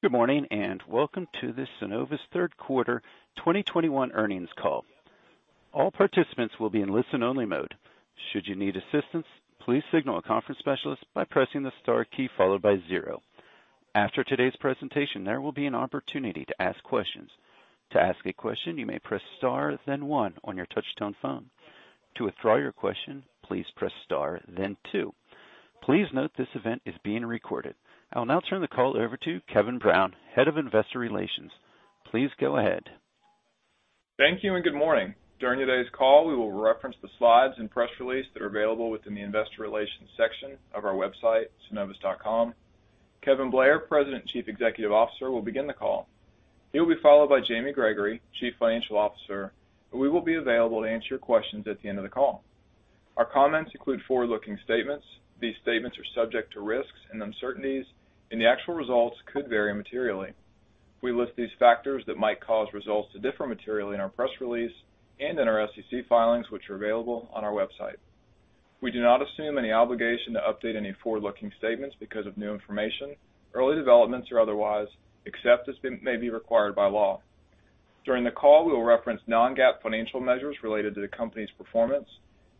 Good morning, welcome to the Synovus third quarter 2021 earnings call. All participants will be in listen only mode. Should you need assistance, please signal a conference specialist by pressing the star key followed by zero. After today's presentation, there will be an opportunity to ask questions. To ask a question, you may press star then one on your touch-tone phone. To withdraw your question, please press star then two. Please note this event is being recorded. I will now turn the call over to Kevin Brown, Head of Investor Relations. Please go ahead. Thank you. Good morning. During today's call, we will reference the slides and press release that are available within the investor relations section of our website, synovus.com. Kevin Blair, President and Chief Executive Officer, will begin the call. He'll be followed by Jamie Gregory, Chief Financial Officer, and we will be available to answer your questions at the end of the call. Our comments include forward-looking statements. These statements are subject to risks and uncertainties, and the actual results could vary materially. We list these factors that might cause results to differ materially in our press release and in our SEC filings, which are available on our website. We do not assume any obligation to update any forward-looking statements because of new information, early developments, or otherwise, except as may be required by law. During the call, we will reference non-GAAP financial measures related to the company's performance.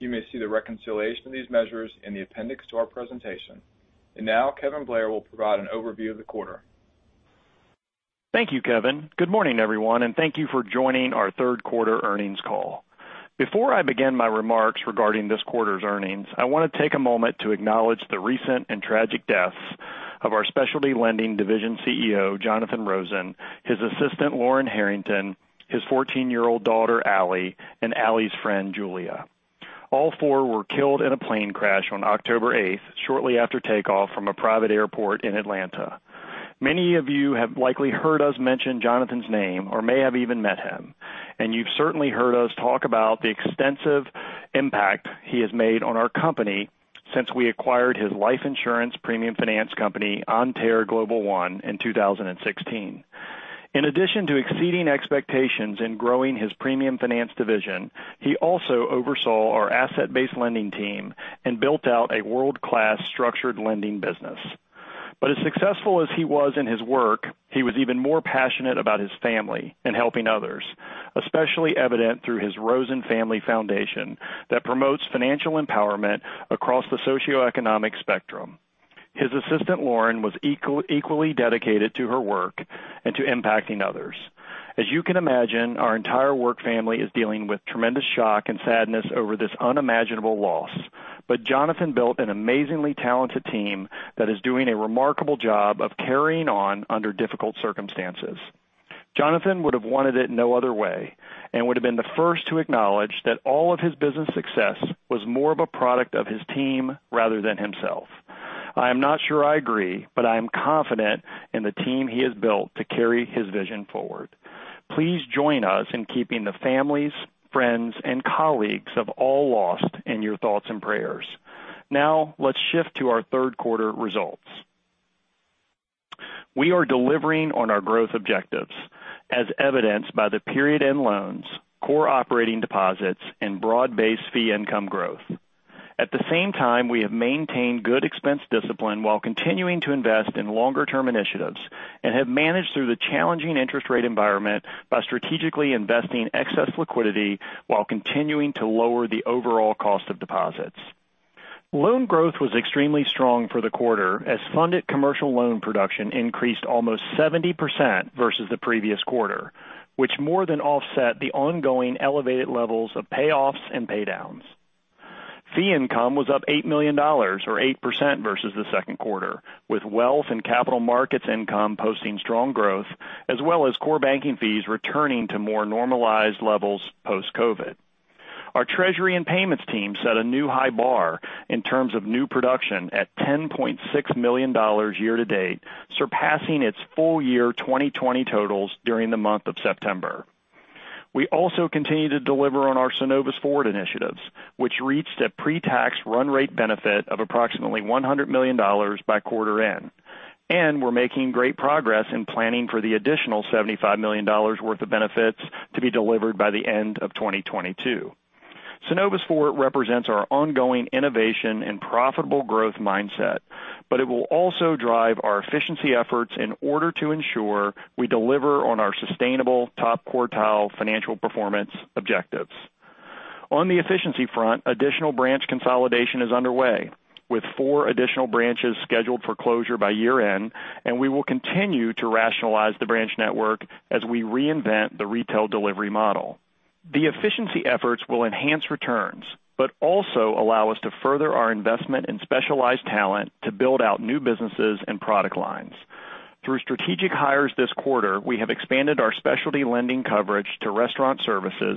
You may see the reconciliation of these measures in the appendix to our presentation. Now, Kevin Blair will provide an overview of the quarter. Thank you, Kevin. Good morning, everyone, and thank you for joining our third quarter earnings call. Before I begin my remarks regarding this quarter's earnings, I want to take a moment to acknowledge the recent and tragic deaths of our specialty lending division CEO, Jonathan Rosen, his assistant, Lauren Harrington, his 14-year-old daughter, [Ally,] and [Ally]'s friend Julia. All four were killed in a plane crash on October 8th, shortly after takeoff from a private airport in Atlanta. Many of you have likely heard us mention Jonathan's name or may have even met him, and you've certainly heard us talk about the extensive impact he has made on our company since we acquired his life insurance premium finance company, [Entaire] Global One, in 2016. In addition to exceeding expectations in growing his premium finance division, he also oversaw our asset-based lending team and built out a world-class structured lending business. As successful as he was in his work, he was even more passionate about his family and helping others, especially evident through his Rosen Family Foundation that promotes financial empowerment across the socioeconomic spectrum. His assistant, Lauren, was equally dedicated to her work and to impacting others. As you can imagine, our entire work family is dealing with tremendous shock and sadness over this unimaginable loss. Jonathan built an amazingly talented team that is doing a remarkable job of carrying on under difficult circumstances. Jonathan would have wanted it no other way and would have been the first to acknowledge that all of his business success was more of a product of his team rather than himself. I am not sure I agree, but I am confident in the team he has built to carry his vision forward. Please join us in keeping the families, friends, and colleagues of all lost in your thoughts and prayers. Now, let's shift to our third quarter results. We are delivering on our growth objectives, as evidenced by the period-end loans, core operating deposits, and broad-based fee income growth. At the same time, we have maintained good expense discipline while continuing to invest in longer-term initiatives and have managed through the challenging interest rate environment by strategically investing excess liquidity while continuing to lower the overall cost of deposits. Loan growth was extremely strong for the quarter as funded commercial loan production increased almost 70% versus the previous quarter, which more than offset the ongoing elevated levels of payoffs and paydowns. Fee income was up $8 million or 8% versus the second quarter, with wealth and capital markets income posting strong growth as well as core banking fees returning to more normalized levels post-COVID. Our treasury and payments team set a new high bar in terms of new production at $10.6 million year-to-date, surpassing its full year 2020 totals during the month of September. We also continue to deliver on our Synovus Forward initiatives, which reached a pre-tax run rate benefit of approximately $100 million by quarter end. We're making great progress in planning for the additional $75 million worth of benefits to be delivered by the end of 2022. Synovus Forward represents our ongoing innovation and profitable growth mindset, but it will also drive our efficiency efforts in order to ensure we deliver on our sustainable top-quartile financial performance objectives. On the efficiency front, additional branch consolidation is underway, with four additional branches scheduled for closure by year-end, and we will continue to rationalize the branch network as we reinvent the retail delivery model. The efficiency efforts will enhance returns but also allow us to further our investment in specialized talent to build out new businesses and product lines. Through strategic hires this quarter, we have expanded our specialty lending coverage to restaurant services,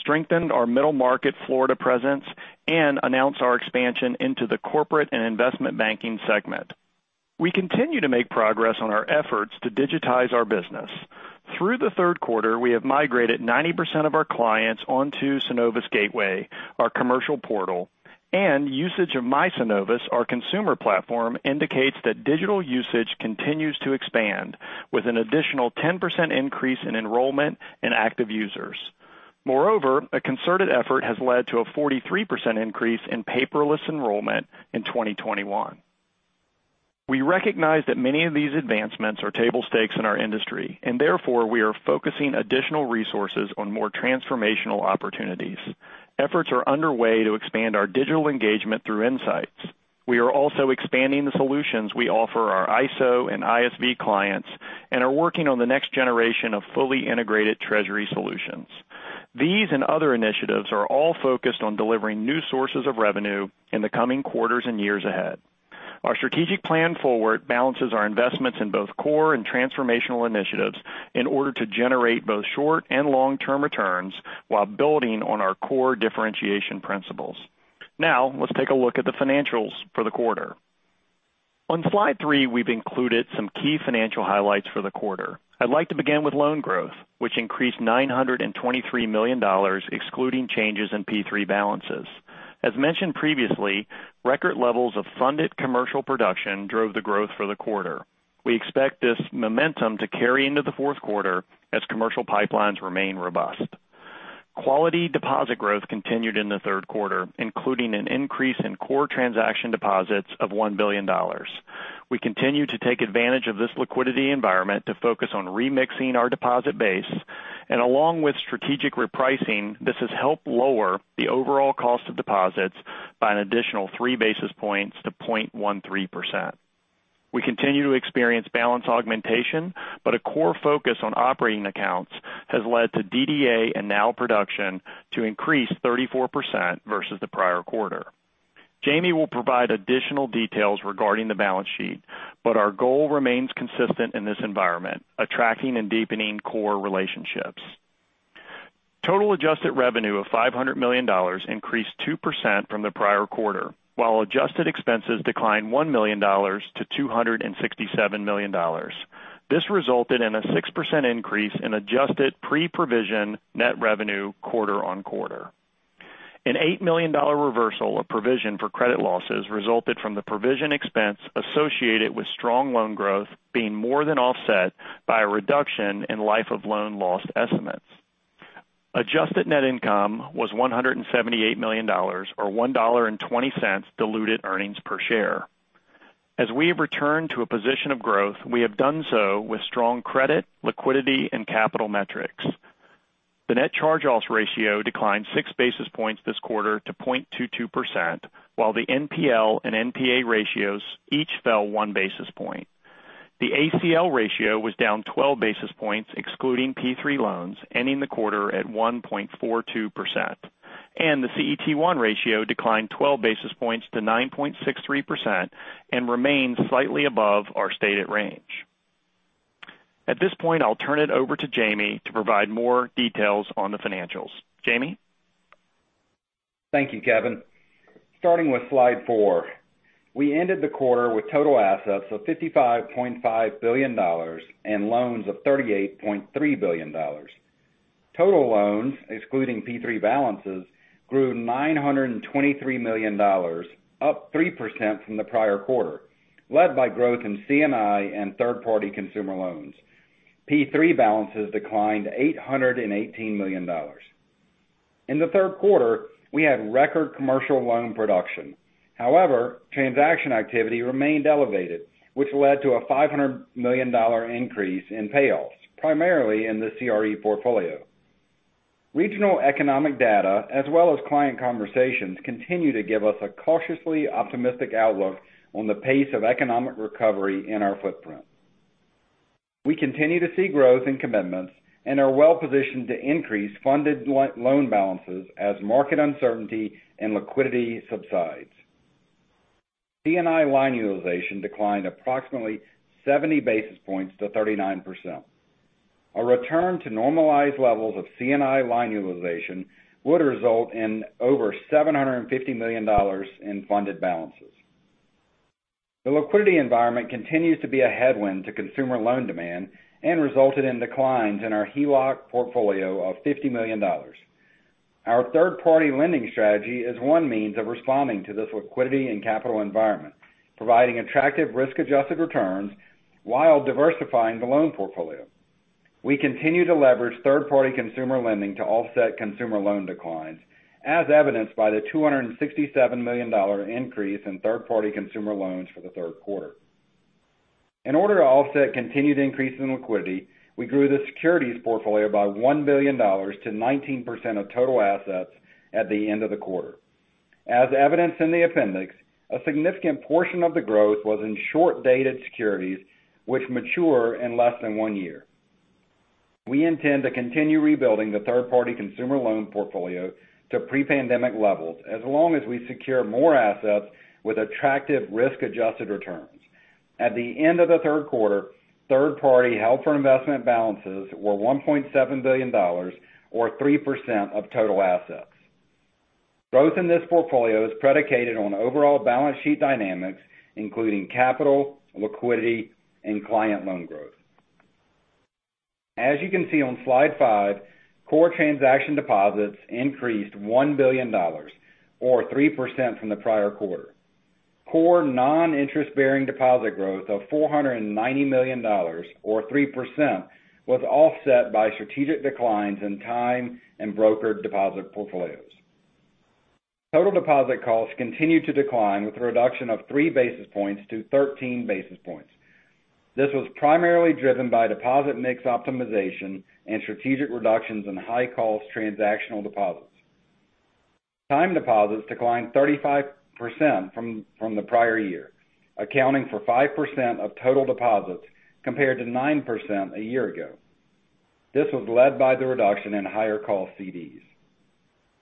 strengthened our middle market Florida presence, and announced our expansion into the corporate and investment banking segment. We continue to make progress on our efforts to digitize our business. Through the third quarter, we have migrated 90% of our clients onto Synovus Gateway, our commercial portal, and usage of My Synovus, our consumer platform, indicates that digital usage continues to expand with an additional 10% increase in enrollment and active users. Moreover, a concerted effort has led to a 43% increase in paperless enrollment in 2021. We recognize that many of these advancements are table stakes in our industry. Therefore, we are focusing additional resources on more transformational opportunities. Efforts are underway to expand our digital engagement through insights. We are also expanding the solutions we offer our ISO and ISV clients and are working on the next generation of fully integrated treasury solutions. These and other initiatives are all focused on delivering new sources of revenue in the coming quarters and years ahead. Our strategic plan forward balances our investments in both core and transformational initiatives in order to generate both short and long-term returns while building on our core differentiation principles. Now, let's take a look at the financials for the quarter. On slide three, we've included some key financial highlights for the quarter. I'd like to begin with loan growth, which increased $923 million, excluding changes in PPP balances. As mentioned previously, record levels of funded commercial production drove the growth for the quarter. We expect this momentum to carry into the fourth quarter as commercial pipelines remain robust. Quality deposit growth continued in the third quarter, including an increase in core transaction deposits of $1 billion. We continue to take advantage of this liquidity environment to focus on remixing our deposit base, and along with strategic repricing, this has helped lower the overall cost of deposits by an additional 3 basis points to 0.13%. We continue to experience balance augmentation, but a core focus on operating accounts has led to DDA and NOW production to increase 34% versus the prior quarter. Jamie will provide additional details regarding the balance sheet, but our goal remains consistent in this environment, attracting and deepening core relationships. Total adjusted revenue of $500 million increased 2% from the prior quarter, while adjusted expenses declined $1 million-$267 million. This resulted in a 6% increase in adjusted pre-provision net revenue quarter-on-quarter. An $8 million reversal of provision for credit losses resulted from the provision expense associated with strong loan growth being more than offset by a reduction in life of loan loss estimates. Adjusted net income was $178 million, or $1.20 diluted earnings per share. We have returned to a position of growth, we have done so with strong credit, liquidity, and capital metrics. The net charge-offs ratio declined 6 basis points this quarter to 0.22%, while the NPL and NPA ratios each fell 1 basis point. The ACL ratio was down 12 basis points, excluding PPP loans, ending the quarter at 1.42%. The CET1 ratio declined 12 basis points to 9.63% and remained slightly above our stated range. At this point, I'll turn it over to Jamie to provide more details on the financials. Jamie? Thank you, Kevin. Starting with slide four, we ended the quarter with total assets of $55.5 billion and loans of $38.3 billion. Total loans, excluding PPP balances, grew $923 million, up 3% from the prior quarter, led by growth in C&I and third-party consumer loans. PPP balances declined $818 million. In the third quarter, we had record commercial loan production. However, transaction activity remained elevated, which led to a $500 million increase in payoffs, primarily in the CRE portfolio. Regional economic data, as well as client conversations, continue to give us a cautiously optimistic outlook on the pace of economic recovery in our footprint. We continue to see growth in commitments and are well-positioned to increase funded loan balances as market uncertainty and liquidity subsides. C&I line utilization declined approximately 70 basis points to 39%. A return to normalized levels of C&I line utilization would result in over $750 million in funded balances. The liquidity environment continues to be a headwind to consumer loan demand and resulted in declines in our HELOC portfolio of $50 million. Our third-party lending strategy is one means of responding to this liquidity and capital environment, providing attractive risk-adjusted returns while diversifying the loan portfolio. We continue to leverage third-party consumer lending to offset consumer loan declines, as evidenced by the $267 million increase in third-party consumer loans for the third quarter. In order to offset continued increase in liquidity, we grew the securities portfolio by $1 billion to 19% of total assets at the end of the quarter. As evidenced in the appendix, a significant portion of the growth was in short-dated securities, which mature in less than one year. We intend to continue rebuilding the third-party consumer loan portfolio to pre-pandemic levels as long as we secure more assets with attractive risk-adjusted returns. At the end of the third quarter, third-party held for investment balances were $1.7 billion, or 3% of total assets. Growth in this portfolio is predicated on overall balance sheet dynamics, including capital, liquidity, and client loan growth. As you can see on slide five, core transaction deposits increased $1 billion, or 3% from the prior quarter. Core non-interest-bearing deposit growth of $490 million, or 3%, was offset by strategic declines in time and brokered deposit portfolios. Total deposit costs continued to decline with a reduction of 3 basis points to 13 basis points. This was primarily driven by deposit mix optimization and strategic reductions in high-cost transactional deposits. Time deposits declined 35% from the prior year, accounting for 5% of total deposits, compared to 9% a year ago. This was led by the reduction in higher cost CDs.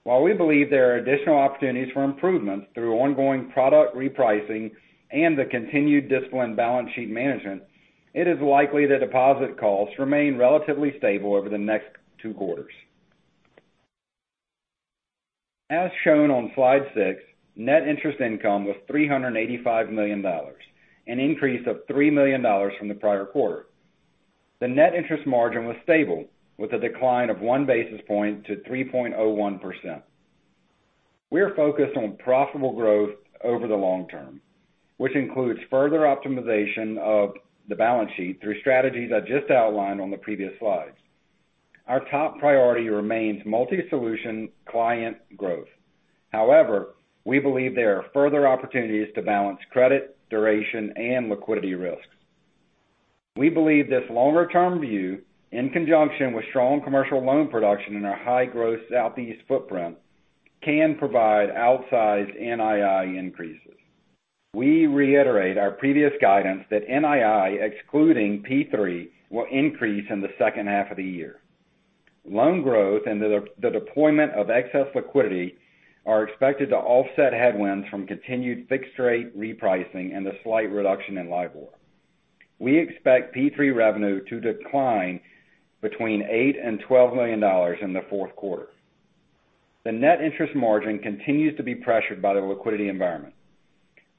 We believe there are additional opportunities for improvements through ongoing product repricing and the continued disciplined balance sheet management, it is likely that deposit costs remain relatively stable over the next two quarters. As shown on slide six, net interest income was $385 million, an increase of $3 million from the prior quarter. The net interest margin was stable, with a decline of 1 basis point to 3.01%. We are focused on profitable growth over the long term, which includes further optimization of the balance sheet through strategies I just outlined on the previous slides. Our top priority remains multi-solution client growth. We believe there are further opportunities to balance credit, duration, and liquidity risk. We believe this longer-term view, in conjunction with strong commercial loan production in our high-growth southeast footprint, can provide outsized NII increases. We reiterate our previous guidance that NII, excluding PPP, will increase in the second half of the year. Loan growth and the deployment of excess liquidity are expected to offset headwinds from continued fixed-rate repricing and the slight reduction in LIBOR. We expect PPP revenue to decline between $8 million and $12 million in the fourth quarter. The net interest margin continues to be pressured by the liquidity environment.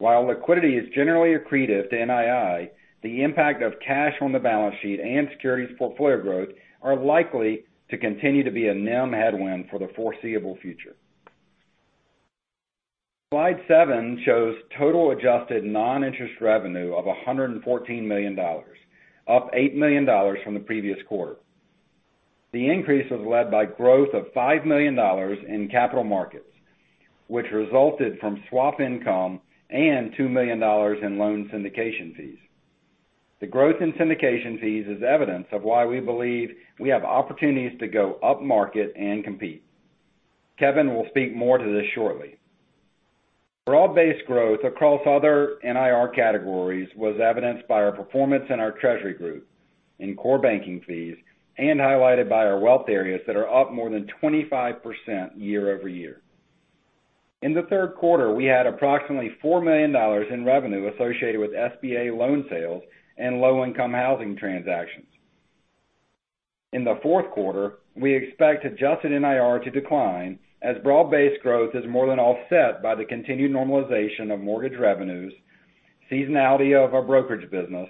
While liquidity is generally accretive to NII, the impact of cash on the balance sheet and securities portfolio growth are likely to continue to be a NIM headwind for the foreseeable future. Slide seven shows total adjusted non-interest revenue of $114 million, up $8 million from the previous quarter. The increase was led by growth of $5 million in capital markets, which resulted from swap income and $2 million in loan syndication fees. The growth in syndication fees is evidence of why we believe we have opportunities to go upmarket and compete. Kevin will speak more to this shortly. Broad-based growth across other NIR categories was evidenced by our performance in our treasury group in core banking fees and highlighted by our wealth areas that are up more than 25% year-over-year. In the third quarter, we had approximately $4 million in revenue associated with SBA loan sales and low-income housing transactions. In the fourth quarter, we expect adjusted NIR to decline as broad-based growth is more than offset by the continued normalization of mortgage revenues, seasonality of our brokerage business,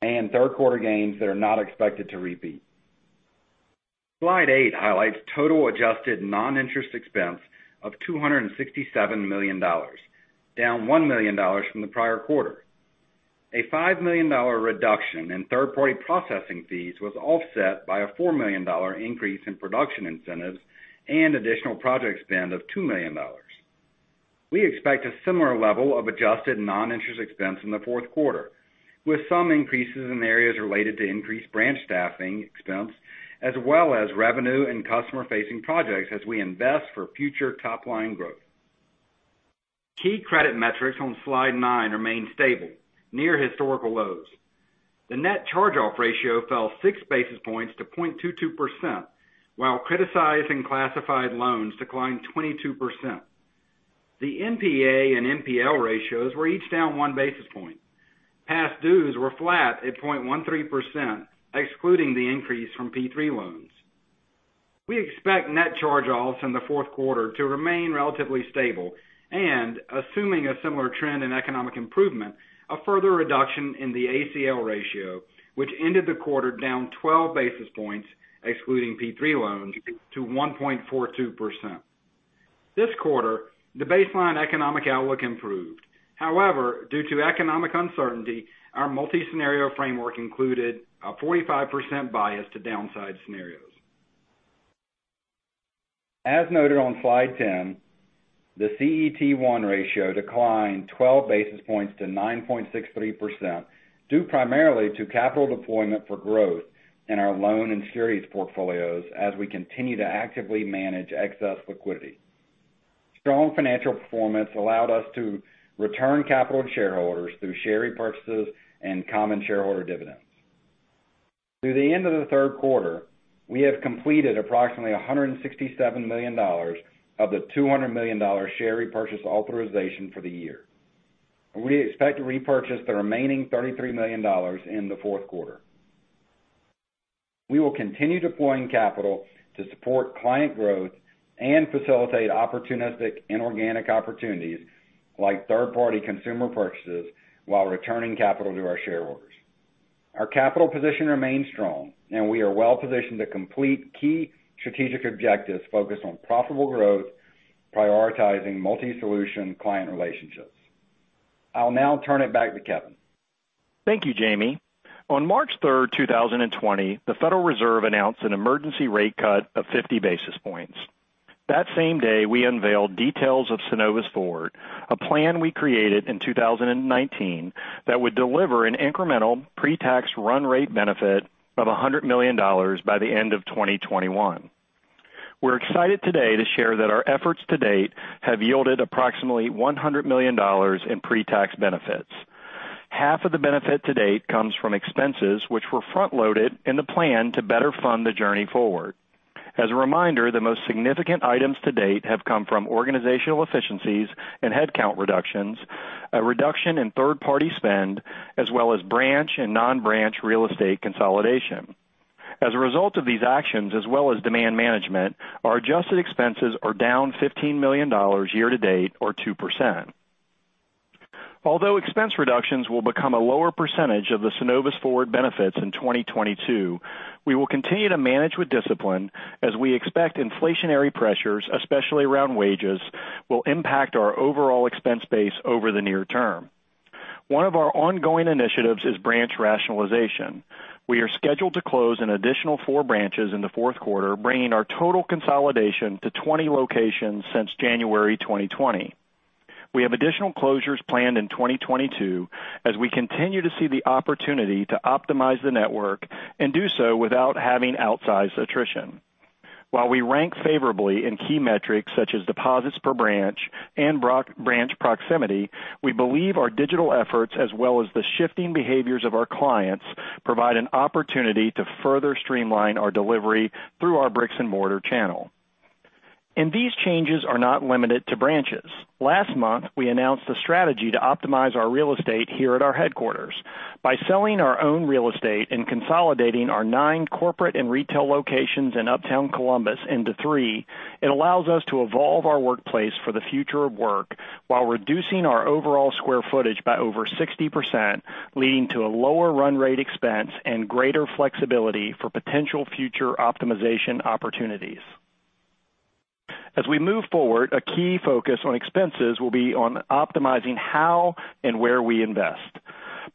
and third-quarter gains that are not expected to repeat. Slide eight highlights total adjusted non-interest expense of $267 million, down $1 million from the prior quarter. A $5 million reduction in third-party processing fees was offset by a $4 million increase in production incentives and additional project spend of $2 million. We expect a similar level of adjusted non-interest expense in the fourth quarter, with some increases in areas related to increased branch staffing expense as well as revenue and customer-facing projects as we invest for future top-line growth. Key credit metrics on slide nine remain stable, near historical lows. The net charge-off ratio fell 6 basis points to 0.22%, while criticized and classified loans declined 22%. The NPA and NPL ratios were each down 1 basis point. Past dues were flat at 0.13%, excluding the increase from PPP loans. We expect net charge-offs in the fourth quarter to remain relatively stable and, assuming a similar trend in economic improvement, a further reduction in the ACL ratio, which ended the quarter down 12 basis points, excluding PPP loans, to 1.42%. This quarter, the baseline economic outlook improved. However, due to economic uncertainty, our multi-scenario framework included a 45% bias to downside scenarios. As noted on slide 10, the CET1 ratio declined 12 basis points to 9.63%, due primarily to capital deployment for growth in our loan and securities portfolios as we continue to actively manage excess liquidity. Strong financial performance allowed us to return capital to shareholders through share repurchases and common shareholder dividends. Through the end of the third quarter, we have completed approximately $167 million of the $200 million share repurchase authorization for the year. We expect to repurchase the remaining $33 million in the fourth quarter. We will continue deploying capital to support client growth and facilitate opportunistic inorganic opportunities like third-party consumer purchases while returning capital to our shareholders. Our capital position remains strong, and we are well-positioned to complete key strategic objectives focused on profitable growth, prioritizing multi-solution client relationships. I'll now turn it back to Kevin. Thank you, Jamie. On March 3rd, 2020, the Federal Reserve announced an emergency rate cut of 50 basis points. That same day, we unveiled details of Synovus Forward, a plan we created in 2019 that would deliver an incremental pre-tax run rate benefit of $100 million by the end of 2021. We're excited today to share that our efforts to date have yielded approximately $100 million in pre-tax benefits. Half of the benefit to date comes from expenses which were front-loaded in the plan to better fund the journey forward. As a reminder, the most significant items to date have come from organizational efficiencies and headcount reductions, a reduction in third-party spend, as well as branch and non-branch real estate consolidation. As a result of these actions, as well as demand management, our adjusted expenses are down $15 million year to date or 2%. Although expense reductions will become a lower percentage of the Synovus Forward benefits in 2022, we will continue to manage with discipline as we expect inflationary pressures, especially around wages, will impact our overall expense base over the near term. One of our ongoing initiatives is branch rationalization. We are scheduled to close an additional four branches in the fourth quarter, bringing our total consolidation to 20 locations since January 2020. We have additional closures planned in 2022 as we continue to see the opportunity to optimize the network and do so without having outsized attrition. While we rank favorably in key metrics such as deposits per branch and branch proximity, we believe our digital efforts as well as the shifting behaviors of our clients provide an opportunity to further streamline our delivery through our bricks and mortar channel. These changes are not limited to branches. Last month, we announced a strategy to optimize our real estate here at our headquarters. By selling our own real estate and consolidating our nine corporate and retail locations in Uptown Columbus into three, it allows us to evolve our workplace for the future of work while reducing our overall square footage by over 60%, leading to a lower run rate expense and greater flexibility for potential future optimization opportunities. As we move forward, a key focus on expenses will be on optimizing how and where we invest.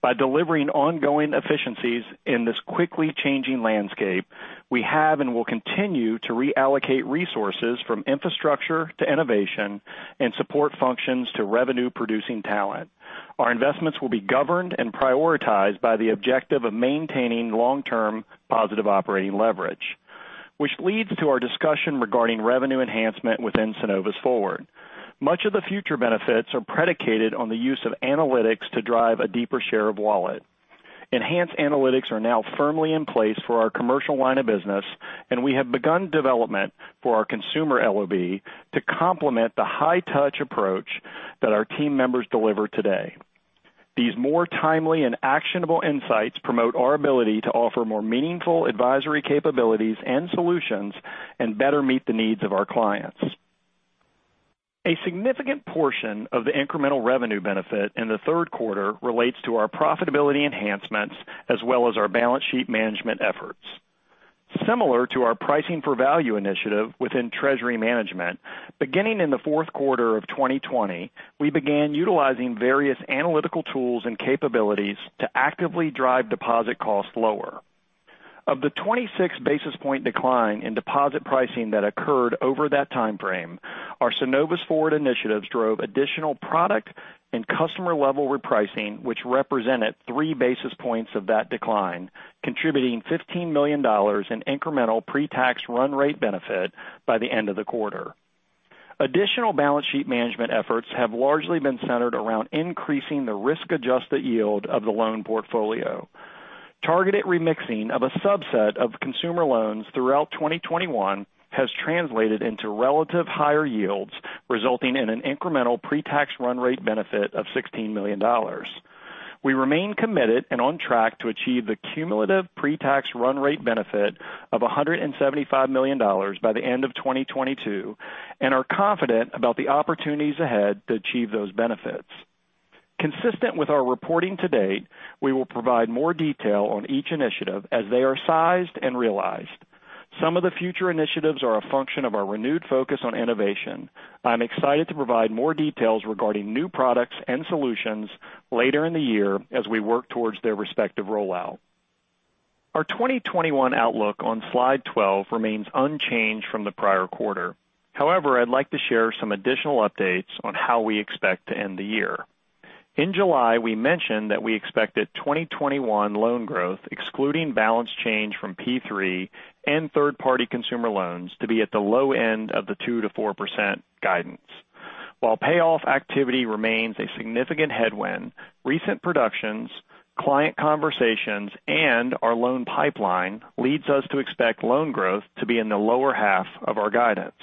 By delivering ongoing efficiencies in this quickly changing landscape, we have and will continue to reallocate resources from infrastructure to innovation and support functions to revenue-producing talent. Our investments will be governed and prioritized by the objective of maintaining long-term positive operating leverage, which leads to our discussion regarding revenue enhancement within Synovus Forward. Much of the future benefits are predicated on the use of analytics to drive a deeper share of wallet. Enhanced analytics are now firmly in place for our commercial line of business, and we have begun development for our consumer LOB to complement the high-touch approach that our team members deliver today. These more timely and actionable insights promote our ability to offer more meaningful advisory capabilities and solutions and better meet the needs of our clients. A significant portion of the incremental revenue benefit in the third quarter relates to our profitability enhancements as well as our balance sheet management efforts. Similar to our pricing for value initiative within treasury management, beginning in the fourth quarter of 2020, we began utilizing various analytical tools and capabilities to actively drive deposit costs lower. Of the 26 basis point decline in deposit pricing that occurred over that time frame, our Synovus Forward initiatives drove additional product and customer-level repricing, which represented 3 basis points of that decline, contributing $15 million in incremental pre-tax run rate benefit by the end of the quarter. Additional balance sheet management efforts have largely been centered around increasing the risk-adjusted yield of the loan portfolio. Targeted remixing of a subset of consumer loans throughout 2021 has translated into relative higher yields, resulting in an incremental pre-tax run rate benefit of $16 million. We remain committed and on track to achieve the cumulative pre-tax run rate benefit of $175 million by the end of 2022 and are confident about the opportunities ahead to achieve those benefits. Consistent with our reporting to date, we will provide more detail on each initiative as they are sized and realized. Some of the future initiatives are a function of our renewed focus on innovation. I'm excited to provide more details regarding new products and solutions later in the year as we work towards their respective rollout. Our 2021 outlook on slide 12 remains unchanged from the prior quarter. However, I'd like to share some additional updates on how we expect to end the year. In July, we mentioned that we expected 2021 loan growth, excluding balance change from PPP and third-party consumer loans, to be at the low end of the 2%-4% guidance. While payoff activity remains a significant headwind, recent productions, client conversations, and our loan pipeline leads us to expect loan growth to be in the lower half of our guidance.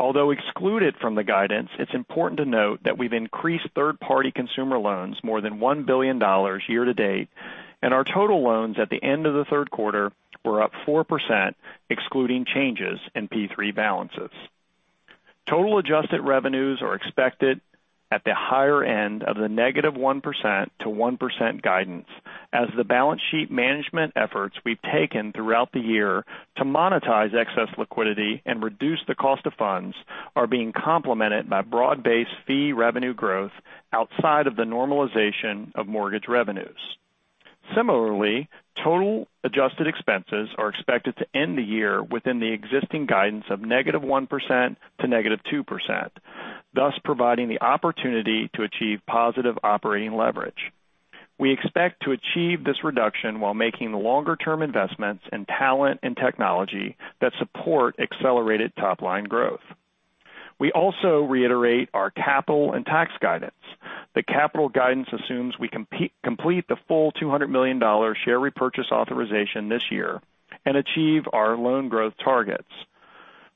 Although excluded from the guidance, it's important to note that we've increased third-party consumer loans more than $1 billion year-to-date, and our total loans at the end of the third quarter were up 4%, excluding changes in PPP balances. Total adjusted revenues are expected at the higher end of the -1% to 1% guidance as the balance sheet management efforts we've taken throughout the year to monetize excess liquidity and reduce the cost of funds are being complemented by broad-based fee revenue growth outside of the normalization of mortgage revenues. Similarly, total adjusted expenses are expected to end the year within the existing guidance of -1% to -2%, thus providing the opportunity to achieve positive operating leverage. We expect to achieve this reduction while making the longer-term investments in talent and technology that support accelerated top-line growth. We also reiterate our capital and tax guidance. The capital guidance assumes we complete the full $200 million share repurchase authorization this year and achieve our loan growth targets.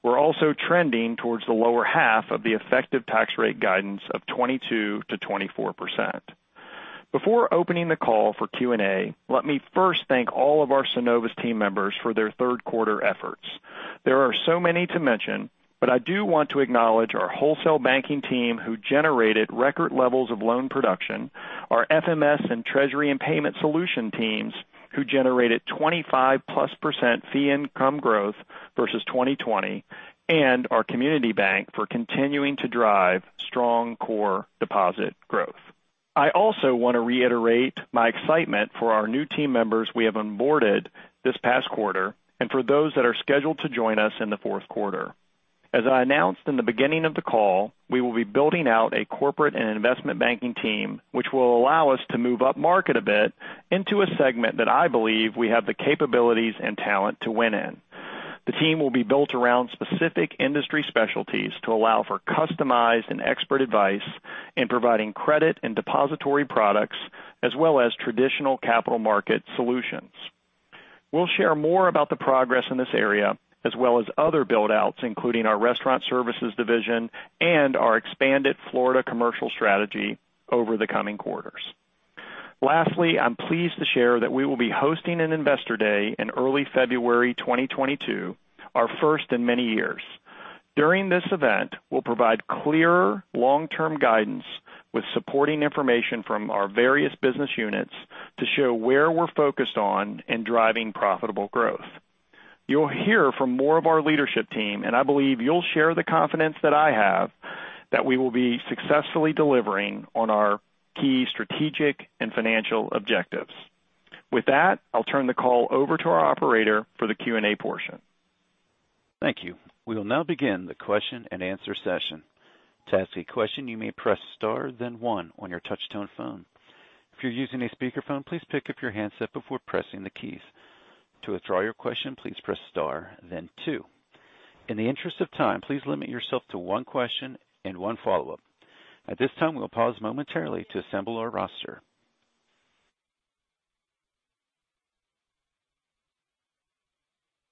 We're also trending towards the lower half of the effective tax rate guidance of 22%-24%. Before opening the call for Q&A, let me first thank all of our Synovus team members for their third quarter efforts. There are so many to mention, but I do want to acknowledge our Wholesale Banking team who generated record levels of loan production, our FMS and Treasury and Payment Solutions teams who generated 25%+ fee income growth versus 2020, and our Community Bank for continuing to drive strong core deposit growth. I also want to reiterate my excitement for our new team members we have onboarded this past quarter and for those that are scheduled to join us in the fourth quarter. As I announced in the beginning of the call, we will be building out a corporate and investment banking team, which will allow us to move up market a bit into a segment that I believe we have the capabilities and talent to win in. The team will be built around specific industry specialties to allow for customized and expert advice in providing credit and depository products, as well as traditional capital market solutions. We'll share more about the progress in this area, as well as other build-outs, including our restaurant services division and our expanded Florida commercial strategy over the coming quarters. Lastly, I'm pleased to share that we will be hosting an investor day in early February 2022, our first in many years. During this event, we'll provide clearer long-term guidance with supporting information from our various business units to show where we're focused on in driving profitable growth. You'll hear from more of our leadership team, and I believe you'll share the confidence that I have that we will be successfully delivering on our key strategic and financial objectives. With that, I'll turn the call over to our operator for the Q&A portion. Thank you. We will now begin the question and answer session. To ask a question, you may press star then one on your touch-tone phone. If you are using a speakerphone, please pick up your handset before pressing the keys. To withdraw your question, please press star then two. In the interest of time, please limit yourself to one question and one follow-up. At this time, we'll pause momentarily to assemble our roster.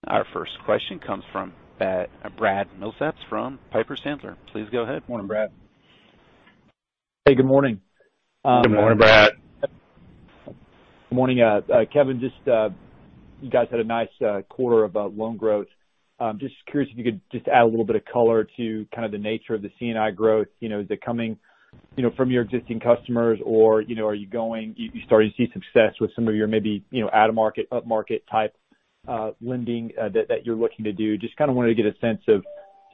Our first question comes from Brad Milsaps from Piper Sandler. Please go ahead. Morning, Brad. Hey, good morning. Good morning, Brad. Morning. Kevin, you guys had a nice quarter of loan growth. Just curious if you could just add a little bit of color to kind of the nature of the C&I growth. Is it coming from your existing customers, or are you starting to see success with some of your maybe out-of-market, up-market type lending that you're looking to do? Just kind of wanted to get a sense of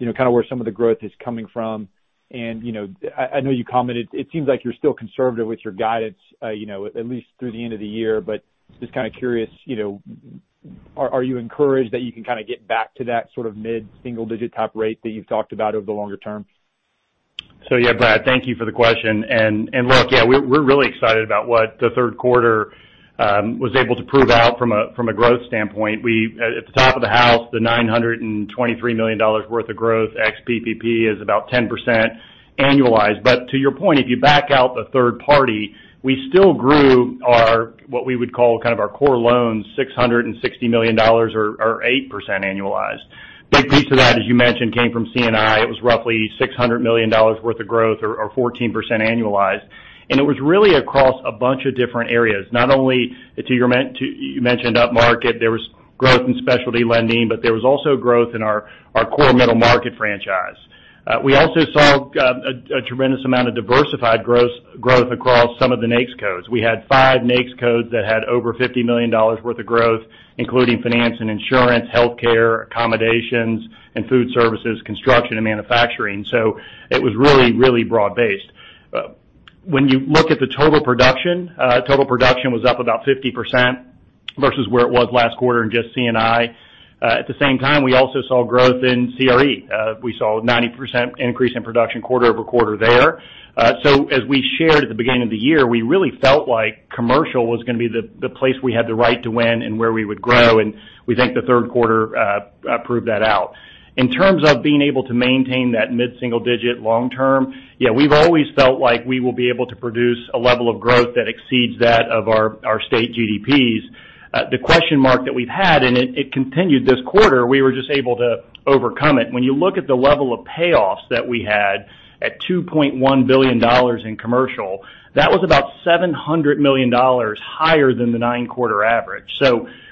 where some of the growth is coming from. I know you commented, it seems like you're still conservative with your guidance at least through the end of the year, but just kind of curious, are you encouraged that you can kind of get back to that sort of mid-single-digit type rate that you've talked about over the longer term? Yeah, Brad, thank you for the question. Look, yeah, we're really excited about what the third quarter was able to prove out from a growth standpoint. At the top of the house, the $923 million worth of growth ex-PPP is about 10% annualized. To your point, if you back out the third party, we still grew our, what we would call our core loans, $660 million or 8% annualized. Big piece of that, as you mentioned, came from C&I. It was roughly $600 million worth of growth or 14% annualized. It was really across a bunch of different areas. Not only you mentioned up-market, there was growth in specialty lending, but there was also growth in our core middle market franchise. We also saw a tremendous amount of diversified growth across some of the NAICS codes. We had five NAICS codes that had over $50 million worth of growth, including finance and insurance, healthcare, accommodations and food services, construction, and manufacturing. It was really broad-based. When you look at the total production, total production was up about 50% versus where it was last quarter in just C&I. At the same time, we also saw growth in CRE. We saw a 90% increase in production quarter-over-quarter there. As we shared at the beginning of the year, we really felt like commercial was going to be the place we had the right to win and where we would grow, and we think the third quarter proved that out. In terms of being able to maintain that mid-single-digit long term, we've always felt like we will be able to produce a level of growth that exceeds that of our state GDPs. The question mark that we've had, and it continued this quarter, we were just able to overcome it. When you look at the level of payoffs that we had at $2.1 billion in commercial, that was about $700 million higher than the nine-quarter average.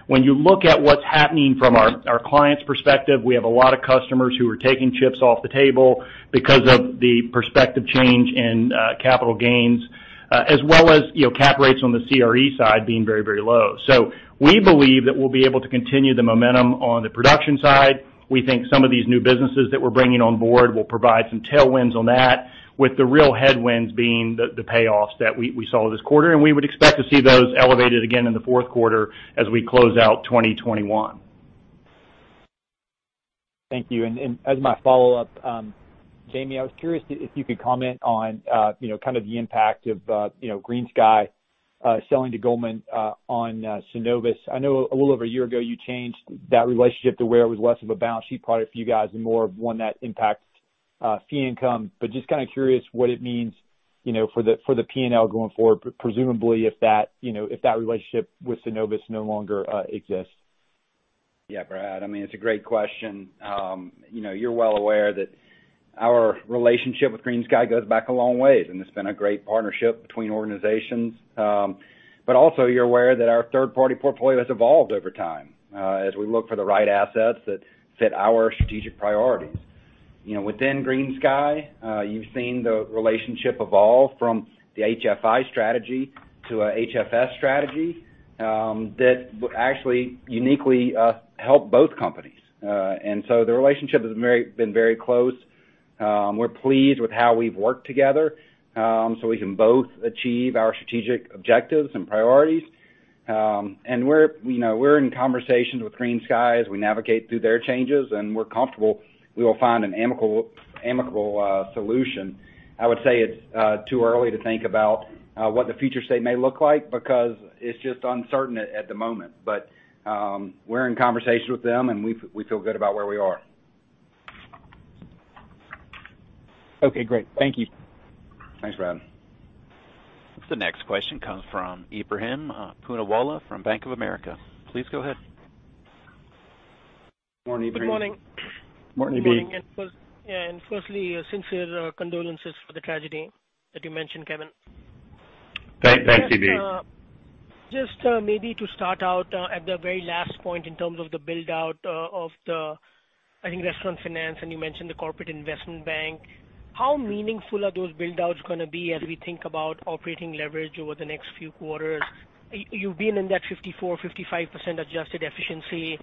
When you look at what's happening from our clients' perspective, we have a lot of customers who are taking chips off the table because of the prospective change in capital gains. As well as cap rates on the CRE side being very, very low. We believe that we'll be able to continue the momentum on the production side. We think some of these new businesses that we're bringing on board will provide some tailwinds on that, with the real headwinds being the payoffs that we saw this quarter, and we would expect to see those elevated again in the fourth quarter as we close out 2021. Thank you. As my follow-up, Jamie, I was curious if you could comment on the impact of GreenSky selling to Goldman on Synovus. I know a little over a year ago, you changed that relationship to where it was less of a balance sheet product for you guys and more of one that impacts fee income. Just kind of curious what it means for the P&L going forward, presumably if that relationship with Synovus no longer exists. Yeah, Brad, it's a great question. You're well aware that our relationship with GreenSky goes back a long way, and it's been a great partnership between organizations. Also you're aware that our third-party portfolio has evolved over time as we look for the right assets that fit our strategic priorities. Within GreenSky, you've seen the relationship evolve from the HFI strategy to a HFS strategy that actually uniquely help both companies. The relationship has been very close. We're pleased with how we've worked together so we can both achieve our strategic objectives and priorities. We're in conversations with GreenSky as we navigate through their changes, and we're comfortable we will find an amicable solution. I would say it's too early to think about what the future state may look like because it's just uncertain at the moment. We're in conversation with them, and we feel good about where we are. Okay, great. Thank you. Thanks, Brad. The next question comes from Ebrahim Poonawala from Bank of America. Please go ahead. Morning, Ebrahim. Morning, Ebi. Morning. Firstly, sincere condolences for the tragedy that you mentioned, Kevin. Thanks, Ebi. Just maybe to start out at the very last point in terms of the build-out of the, I think restaurant finance, and you mentioned the corporate investment bank. How meaningful are those build-outs going to be as we think about operating leverage over the next few quarters? You've been in that 54%, 55% adjusted efficiency.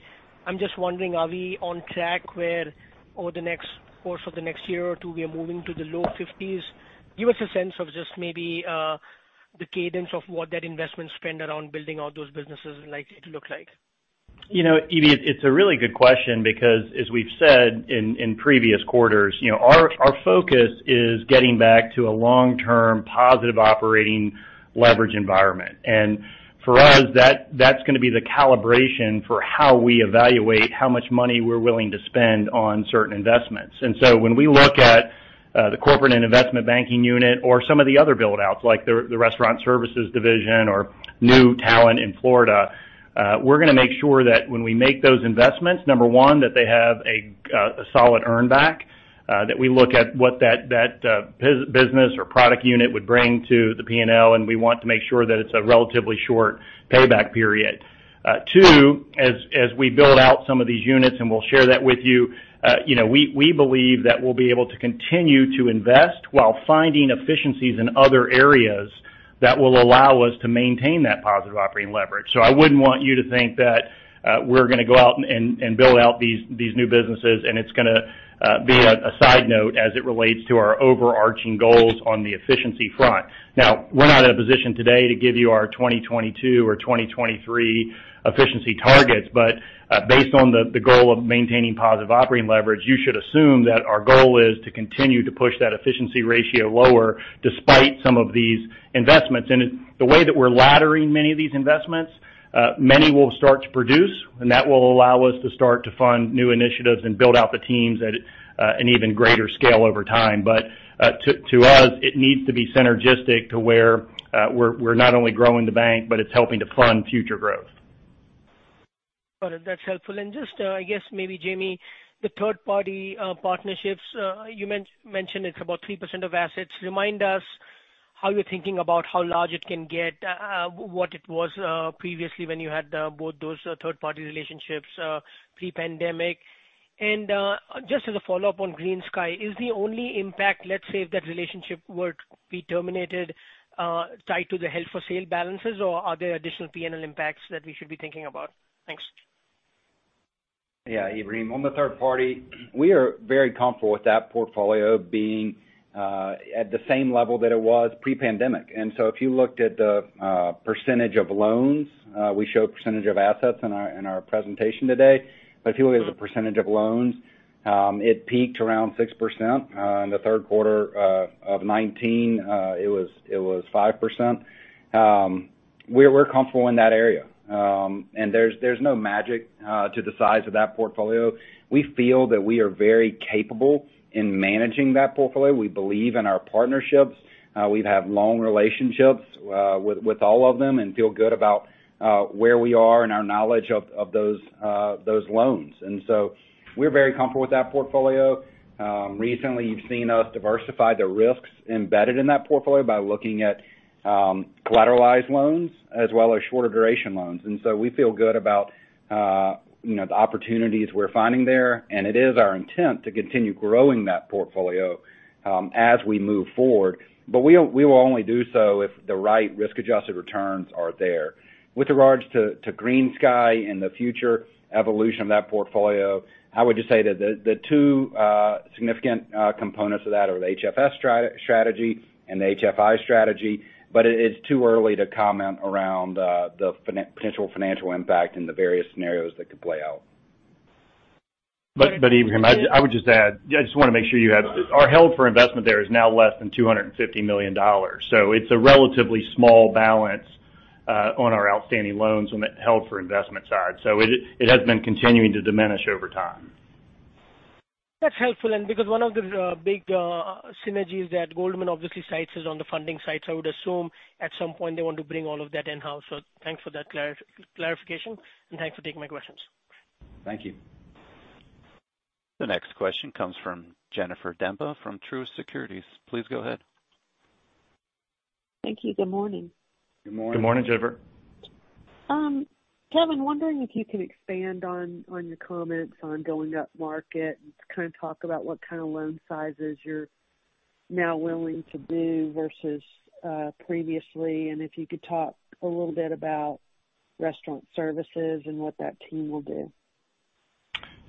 I'm just wondering, are we on track where over the next course of the next year or two, we are moving to the low 50s? Give us a sense of just maybe the cadence of what that investment spend around building out those businesses is likely to look like. Ebi, it's a really good question because as we've said in previous quarters, our focus is getting back to a long-term positive operating leverage environment. For us, that's going to be the calibration for how we evaluate how much money we're willing to spend on certain investments. When we look at the corporate and investment banking unit or some of the other build-outs like the restaurant services division or new talent in Florida, we're going to make sure that when we make those investments, number one, that they have a solid earn back that we look at what that business or product unit would bring to the P&L, and we want to make sure that it's a relatively short payback period. Two, as we build out some of these units, and we'll share that with you, we believe that we'll be able to continue to invest while finding efficiencies in other areas that will allow us to maintain that positive operating leverage. I wouldn't want you to think that we're going to go out and build out these new businesses, and it's going to be a side note as it relates to our overarching goals on the efficiency front. We're not in a position today to give you our 2022 or 2023 efficiency targets, but based on the goal of maintaining positive operating leverage, you should assume that our goal is to continue to push that efficiency ratio lower despite some of these investments. The way that we're laddering many of these investments, many will start to produce, and that will allow us to start to fund new initiatives and build out the teams at an even greater scale over time. To us, it needs to be synergistic to where we're not only growing the bank, but it's helping to fund future growth. Got it. That's helpful. Just, I guess maybe Jamie, the third-party partnerships, you mentioned it's about 3% of assets. Remind us how you're thinking about how large it can get, what it was previously when you had both those third-party relationships pre-pandemic. Just as a follow-up on GreenSky, is the only impact, let's say if that relationship were to be terminated, tied to the held for sale balances or are there additional P&L impacts that we should be thinking about? Thanks. Yeah, Ebrahim. On the third party, we are very comfortable with that portfolio being at the same level that it was pre-pandemic. If you looked at the percentage of loans, we show percentage of assets in our presentation today. If you look as a percentage of loans, it peaked around 6%. In the third quarter of 2019, it was 5%. We're comfortable in that area. There's no magic to the size of that portfolio. We feel that we are very capable in managing that portfolio. We believe in our partnerships. We have long relationships with all of them and feel good about where we are and our knowledge of those loans. So we're very comfortable with that portfolio. Recently, you've seen us diversify the risks embedded in that portfolio by looking at collateralized loans as well as shorter duration loans. We feel good about the opportunities we're finding there, and it is our intent to continue growing that portfolio as we move forward. We will only do so if the right risk-adjusted returns are there. With regards to GreenSky and the future evolution of that portfolio, I would just say that the two significant components of that are the HFS strategy and the HFI strategy, but it's too early to comment around the potential financial impact and the various scenarios that could play out. Ebrahim, I just want to make sure our held for investment there is now less than $250 million. It's a relatively small balance on our outstanding loans on that held for investment side. It has been continuing to diminish over time. That's helpful. Because one of the big synergies that Goldman obviously cites is on the funding side, so I would assume at some point they want to bring all of that in-house. Thanks for that clarification, and thanks for taking my questions. Thank you. The next question comes from Jennifer Demba from Truist Securities. Please go ahead. Thank you. Good morning. Good morning. Good morning, Jennifer. Kevin, wondering if you can expand on your comments on going upmarket and kind of talk about what kind of loan sizes you're now willing to do versus previously, and if you could talk a little bit about restaurant services and what that team will do?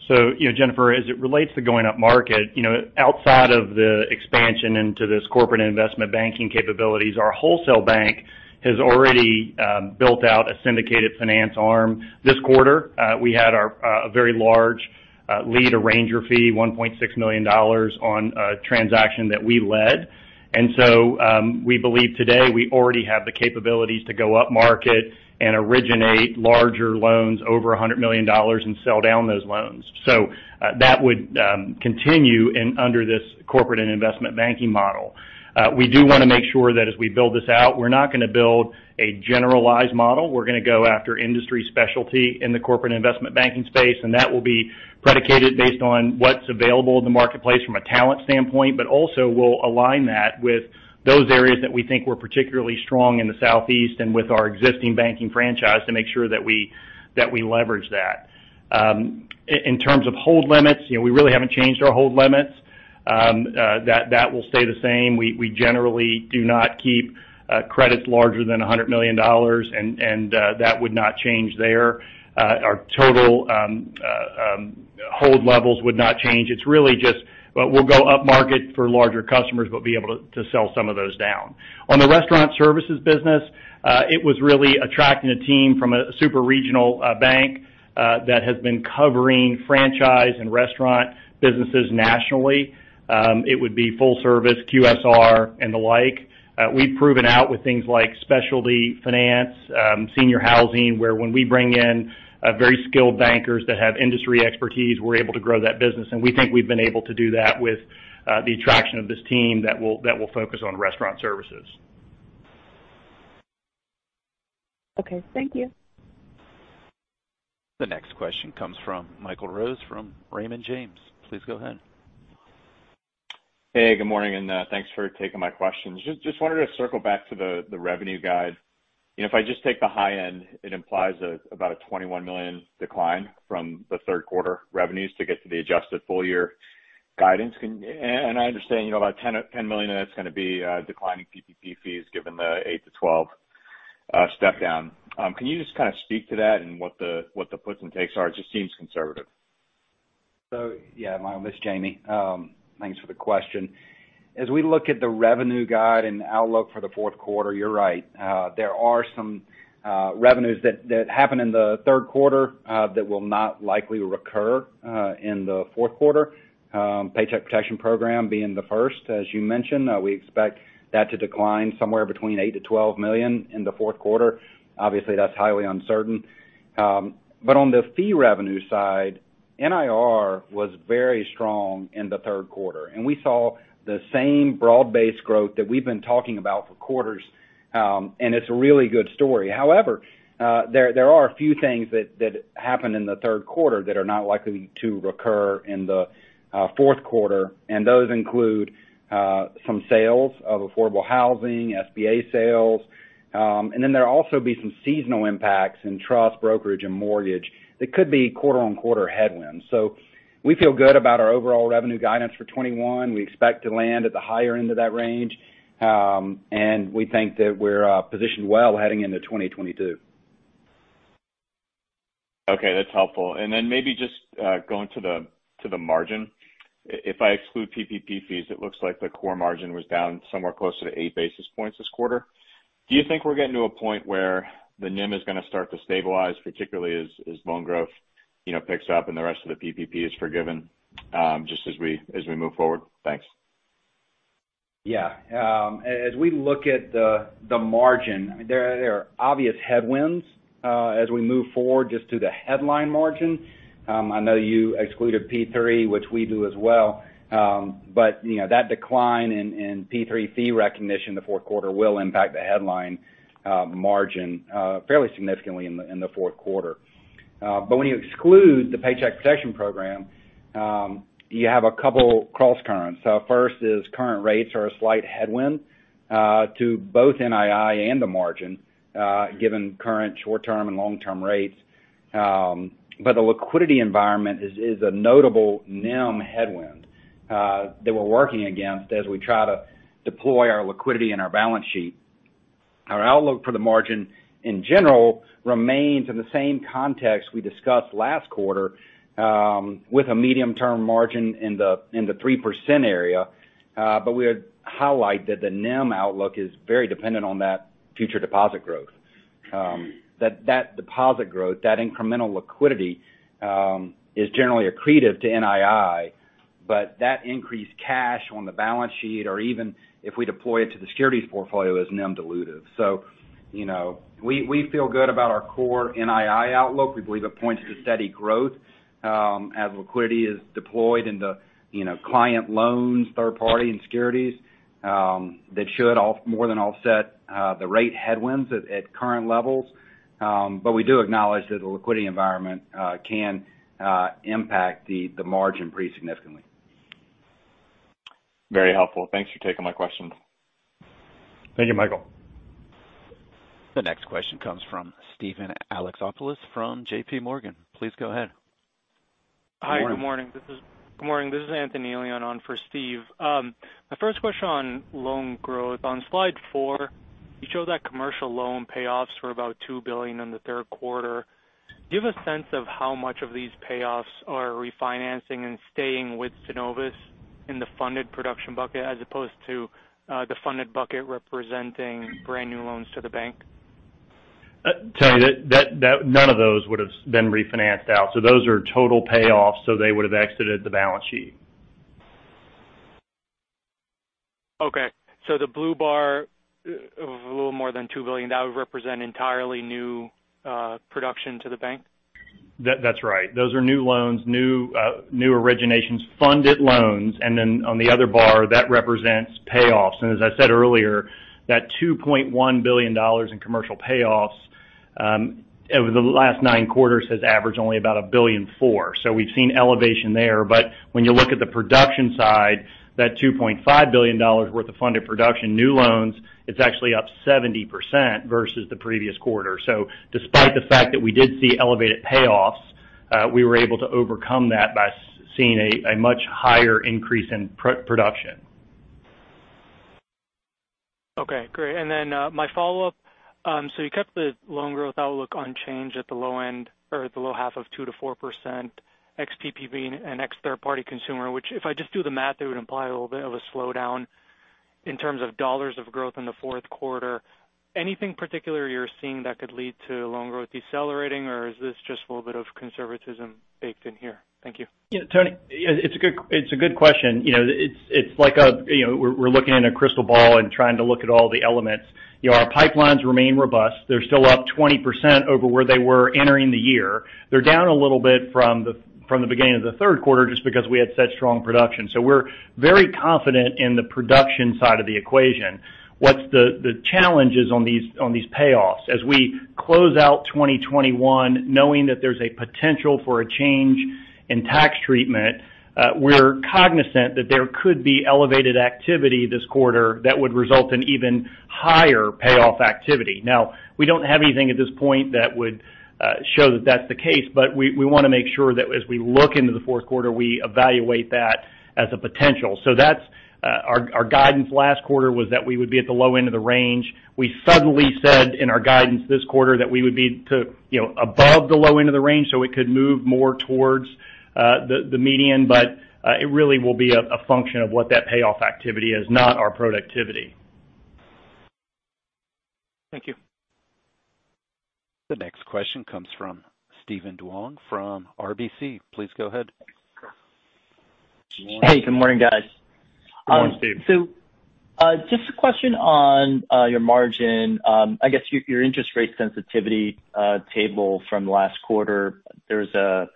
Jennifer, as it relates to going upmarket, outside of the expansion into this corporate investment banking capabilities, our wholesale bank has already built out a syndicated finance arm. This quarter, we had a very large lead arranger fee, $1.6 million on a transaction that we led. We believe today we already have the capabilities to go upmarket and originate larger loans over $100 million and sell down those loans. That would continue under this corporate and investment banking model. We do want to make sure that as we build this out, we're not going to build a generalized model. We're going to go after industry specialty in the corporate investment banking space, and that will be predicated based on what's available in the marketplace from a talent standpoint, but also we'll align that with those areas that we think were particularly strong in the Southeast and with our existing banking franchise to make sure that we leverage that. In terms of hold limits, we really haven't changed our hold limits. That will stay the same. We generally do not keep credits larger than $100 million, and that would not change there. Our total hold levels would not change. It's really just we'll go upmarket for larger customers, but be able to sell some of those down. On the restaurant services business, it was really attracting a team from a super regional bank that has been covering franchise and restaurant businesses nationally. It would be full service, QSR, and the like. We've proven out with things like specialty finance, senior housing, where when we bring in very skilled bankers that have industry expertise, we're able to grow that business. We think we've been able to do that with the attraction of this team that will focus on restaurant services. Okay. Thank you. The next question comes from Michael Rose from Raymond James. Please go ahead. Hey, good morning, and thanks for taking my questions. Just wanted to circle back to the revenue guide. If I just take the high end, it implies about a $21 million decline from the third quarter revenues to get to the adjusted full year guidance. I understand about $10 million of that's going to be declining PPP fees given the 8-12 step down. Can you just kind of speak to that and what the puts and takes are? It just seems conservative. Yeah, Michael, this is Jamie. Thanks for the question. As we look at the revenue guide and outlook for the fourth quarter, you're right. There are some revenues that happened in the third quarter that will not likely recur in the fourth quarter. Paycheck Protection Program being the first, as you mentioned. We expect that to decline somewhere between $8 million-$12 million in the fourth quarter. Obviously, that's highly uncertain. On the fee revenue side, NIR was very strong in the third quarter, and we saw the same broad-based growth that we've been talking about for quarters, and it's a really good story. However, there are a few things that happened in the third quarter that are not likely to recur in the fourth quarter, and those include some sales of affordable housing, SBA sales. Then there'll also be some seasonal impacts in trust, brokerage, and mortgage that could be quarter-on-quarter headwinds. We feel good about our overall revenue guidance for 2021. We expect to land at the higher end of that range. We think that we're positioned well heading into 2022. Okay. That's helpful. Then maybe just going to the margin. If I exclude PPP fees, it looks like the core margin was down somewhere closer to 8 basis points this quarter. Do you think we're getting to a point where the NIM is going to start to stabilize, particularly as loan growth picks up and the rest of the PPP is forgiven just as we move forward? Thanks. Yeah. As we look at the margin, there are obvious headwinds as we move forward just to the headline margin. I know you excluded PPP, which we do as well. That decline in PPP fee recognition in the fourth quarter will impact the headline margin fairly significantly in the fourth quarter. When you exclude the Paycheck Protection Program, you have a couple crosscurrents. First is current rates are a slight headwind to both NII and the margin given current short-term and long-term rates. The liquidity environment is a notable NIM headwind that we're working against as we try to deploy our liquidity in our balance sheet. Our outlook for the margin in general remains in the same context we discussed last quarter with a medium-term margin in the 3% area. We would highlight that the NIM outlook is very dependent on that future deposit growth. That deposit growth, that incremental liquidity, is generally accretive to NII, but that increased cash on the balance sheet, or even if we deploy it to the securities portfolio, is NIM dilutive. We feel good about our core NII outlook. We believe it points to steady growth as liquidity is deployed into client loans, third party, and securities that should more than offset the rate headwinds at current levels. We do acknowledge that the liquidity environment can impact the margin pretty significantly. Very helpful. Thanks for taking my question. Thank you, Michael. The next question comes from Steven Alexopoulos from JPMorgan. Please go ahead. Hi. Good morning. This is Anthony Elian on for Steve. My first question on loan growth. On slide four, you show that commercial loan payoffs were about $2 billion in the third quarter. Do you have a sense of how much of these payoffs are refinancing and staying with Synovus in the funded production bucket as opposed to the funded bucket representing brand new loans to the bank? Anthony, none of those would've been refinanced out, so those are total payoffs, so they would've exited the balance sheet. Okay, the blue bar of a little more than $2 billion, that would represent entirely new production to the bank? That's right. Those are new loans, new originations, funded loans. On the other bar, that represents payoffs. As I said earlier, that $2.1 billion in commercial payoffs, over the last nine quarters, has averaged only about $1.4 billion. We've seen elevation there, but when you look at the production side, that $2.5 billion worth of funded production, new loans, it's actually up 70% versus the previous quarter. Despite the fact that we did see elevated payoffs, we were able to overcome that by seeing a much higher increase in production. Okay, great. My follow-up, you kept the loan growth outlook unchanged at the low end or at the low half of 2%-4% ex-PPP and ex-third party consumer, which if I just do the math, it would imply a little bit of a slowdown in terms of dollars of growth in the fourth quarter. Anything particular you're seeing that could lead to loan growth decelerating, or is this just a little bit of conservatism baked in here? Thank you. Tony, it's a good question. We're looking in a crystal ball and trying to look at all the elements. Our pipelines remain robust. They're still up 20% over where they were entering the year. They're down a little bit from the beginning of the third quarter just because we had such strong production. We're very confident in the production side of the equation. What's the challenge is on these payoffs. As we close out 2021, knowing that there's a potential for a change in tax treatment, we're cognizant that there could be elevated activity this quarter that would result in even higher payoff activity. We don't have anything at this point that would show that that's the case, but we want to make sure that as we look into the fourth quarter, we evaluate that as a potential. Our guidance last quarter was that we would be at the low end of the range. We subtly said in our guidance this quarter that we would be above the low end of the range, so we could move more towards the median. It really will be a function of what that payoff activity is, not our productivity. Thank you. The next question comes from Steven Duong from RBC. Please go ahead. Good morning. Hey, good morning, guys. Good morning, Steve. Just a question on your margin. I guess your interest rate sensitivity table from last quarter, there's the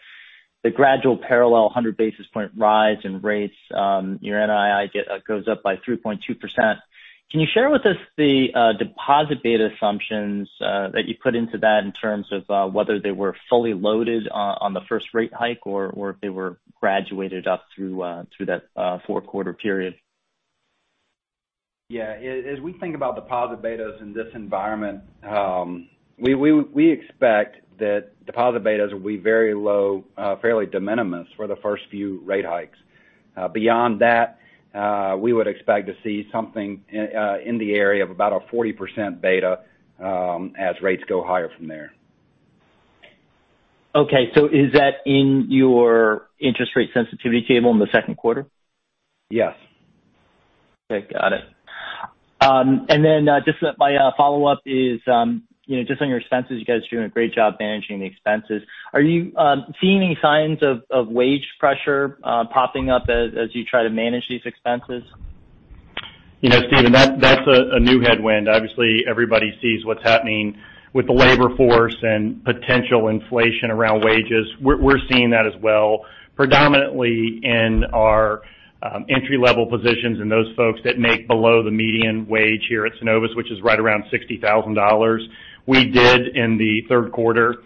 gradual parallel 100-basis-point rise in rates, your NII goes up by 3.2%. Can you share with us the deposit beta assumptions that you put into that in terms of whether they were fully loaded on the first rate hike, or if they were graduated up through that four-quarter period? Yeah. As we think about deposit betas in this environment, we expect that deposit betas will be very low, fairly de minimis for the first few rate hikes. Beyond that, we would expect to see something in the area of about a 40% beta as rates go higher from there. Okay. Is that in your interest rate sensitivity table in the second quarter? Yes. Okay, got it. Just my follow-up is just on your expenses, you guys are doing a great job managing the expenses. Are you seeing any signs of wage pressure popping up as you try to manage these expenses? Steven, that's a new headwind. Everybody sees what's happening with the labor force and potential inflation around wages. We're seeing that as well, predominantly in our entry-level positions and those folks that make below the median wage here at Synovus, which is right around $60,000. We did, in the third quarter,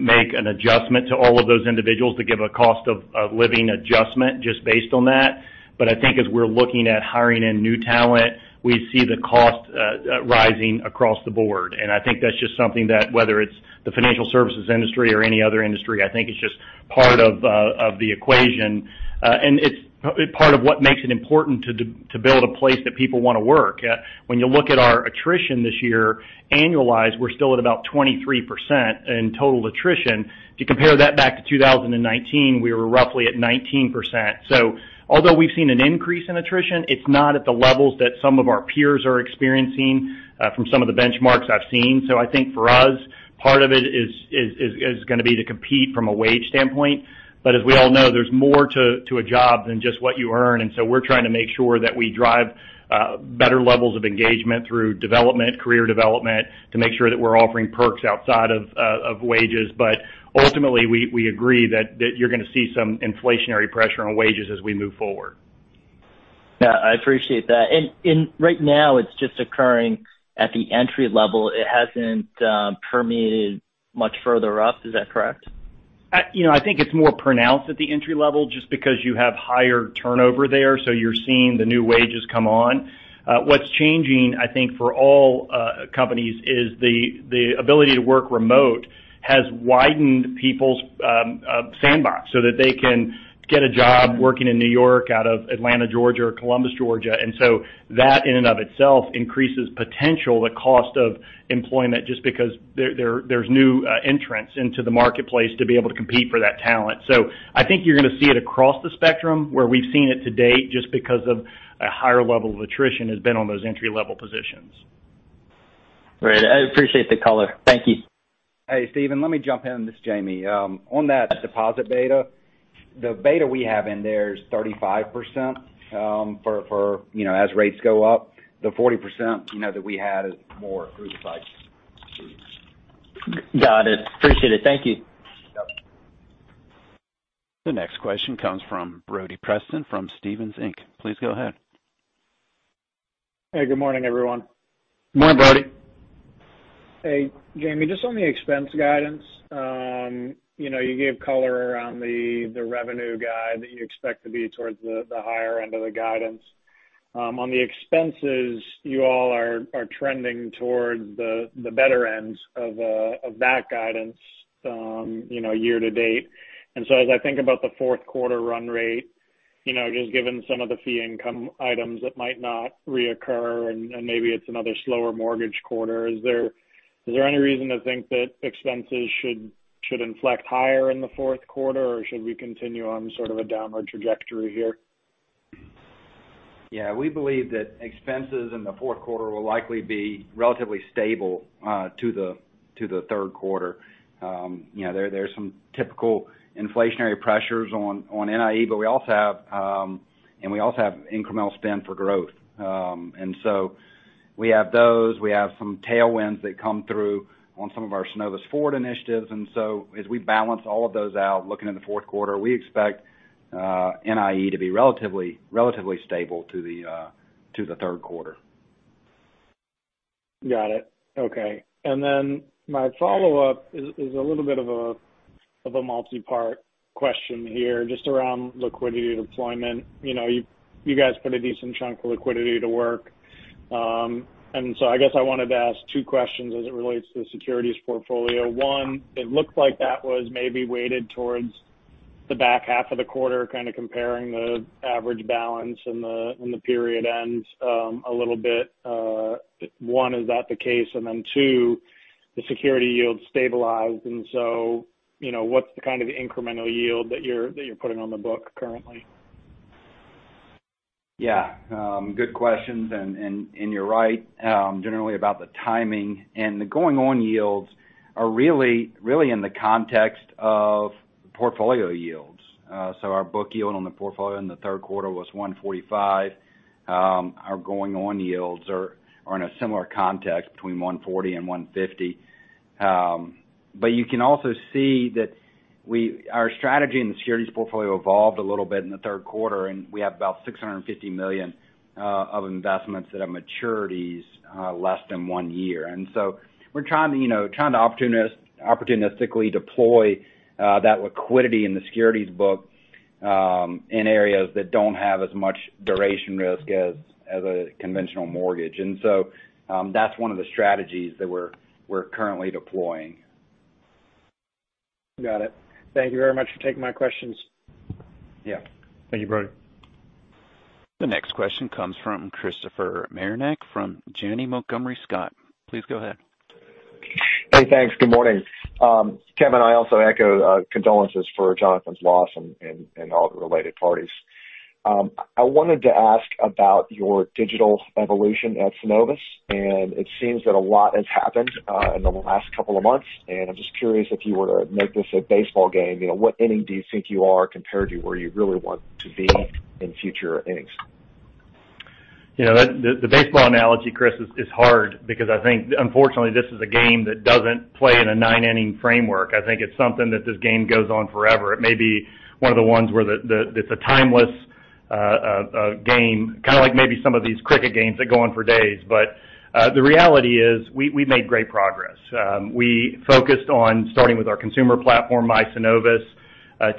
make an adjustment to all of those individuals to give a cost of living adjustment just based on that. I think as we're looking at hiring in new talent, we see the cost rising across the board. I think that's just something that whether it's the financial services industry or any other industry, I think it's just part of the equation. It's part of what makes it important to build a place that people want to work at. When you look at our attrition this year, annualized, we're still at about 23% in total attrition. If you compare that back to 2019, we were roughly at 19%. Although we've seen an increase in attrition, it's not at the levels that some of our peers are experiencing from some of the benchmarks I've seen. I think for us, part of it is going to be to compete from a wage standpoint. As we all know, there's more to a job than just what you earn. We're trying to make sure that we drive better levels of engagement through development, career development, to make sure that we're offering perks outside of wages. Ultimately, we agree that you're going to see some inflationary pressure on wages as we move forward. Yeah, I appreciate that. Right now, it's just occurring at the entry level. It hasn't permeated much further up, is that correct? I think it's more pronounced at the entry level just because you have higher turnover there, so you're seeing the new wages come on. What's changing, I think, for all companies is the ability to work remote has widened people's sandbox so that they can get a job working in New York out of Atlanta, Georgia, or Columbus, Georgia. That, in and of itself, increases potential the cost of employment, just because there's new entrants into the marketplace to be able to compete for that talent. I think you're going to see it across the spectrum where we've seen it to date, just because of a higher level of attrition has been on those entry-level positions. Great. I appreciate the color. Thank you. Hey, Steven, let me jump in. This is Jamie. On that deposit beta, the beta we have in there is 35% as rates go up. The 40% that we had is more through the cycle. Got it. Appreciate it. Thank you. Yep. The next question comes from Brody Preston from Stephens Inc. Please go ahead. Hey, good morning, everyone. Good morning, Brody. Hey, Jamie, just on the expense guidance. You gave color around the revenue guide that you expect to be towards the higher end of the guidance. On the expenses, you all are trending towards the better ends of that guidance year-to-date. As I think about the fourth quarter run rate, just given some of the fee income items that might not reoccur and maybe it's another slower mortgage quarter, is there any reason to think that expenses should inflect higher in the fourth quarter or should we continue on sort of a downward trajectory here? Yeah. We believe that expenses in the fourth quarter will likely be relatively stable to the third quarter. There's some typical inflationary pressures on NIE, and we also have incremental spend for growth. We have some tailwinds that come through on some of our Synovus Forward initiatives. As we balance all of those out, looking in the fourth quarter, we expect NIE to be relatively stable to the third quarter. Got it. Okay. My follow-up is a little bit of a multi-part question here, just around liquidity deployment. You guys put a decent chunk of liquidity to work. I guess I wanted to ask two questions as it relates to the securities portfolio. One, it looked like that was maybe weighted towards the back half of the quarter, kind of comparing the average balance and the period ends a little bit. One, is that the case? Two, the security yield stabilized, what's the kind of incremental yield that you're putting on the book currently? Yeah. Good questions. You're right generally about the timing, the going on yields are really in the context of portfolio yields. Our book yield on the portfolio in the third quarter was 145. Our going on yields are in a similar context between 140 and 150. You can also see that our strategy in the securities portfolio evolved a little bit in the third quarter, and we have about $650 million of investments that have maturities less than one year. We're trying to opportunistically deploy that liquidity in the securities book in areas that don't have as much duration risk as a conventional mortgage. That's one of the strategies that we're currently deploying. Got it. Thank you very much for taking my questions. Yeah. Thank you, Brody. The next question comes from Christopher Marinac from Janney Montgomery Scott. Please go ahead. Hey, thanks. Good morning. Kevin, I also echo condolences for Jonathan's loss and all the related parties. I wanted to ask about your digital evolution at Synovus, and it seems that a lot has happened in the last couple of months, and I'm just curious if you were to make this a baseball game, what inning do you think you are compared to where you really want to be in future innings? The baseball analogy, Chris, is hard because I think unfortunately this is a game that doesn't play in a nine-inning framework. I think it's something that this game goes on forever. It may be one of the ones where it's a timeless game, kind of like maybe some of these cricket games that go on for days. The reality is we've made great progress. We focused on starting with our consumer platform, My Synovus,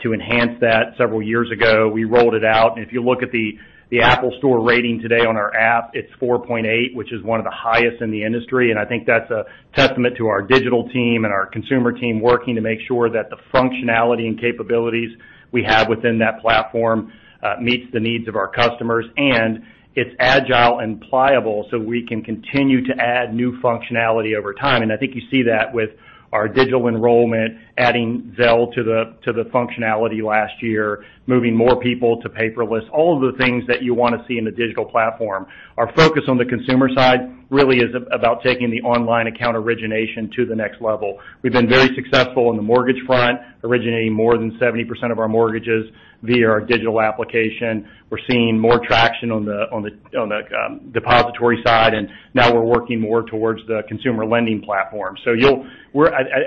to enhance that several years ago. We rolled it out, if you look at the App Store rating today on our app, it's 4.8, which is one of the highest in the industry. I think that's a testament to our digital team and our consumer team working to make sure that the functionality and capabilities we have within that platform meets the needs of our customers. It's agile and pliable, so we can continue to add new functionality over time. I think you see that with our digital enrollment, adding Zelle to the functionality last year, moving more people to paperless, all of the things that you want to see in a digital platform. Our focus on the consumer side really is about taking the online account origination to the next level. We've been very successful on the mortgage front, originating more than 70% of our mortgages via our digital application. We're seeing more traction on the depository side, and now we're working more towards the consumer lending platform. I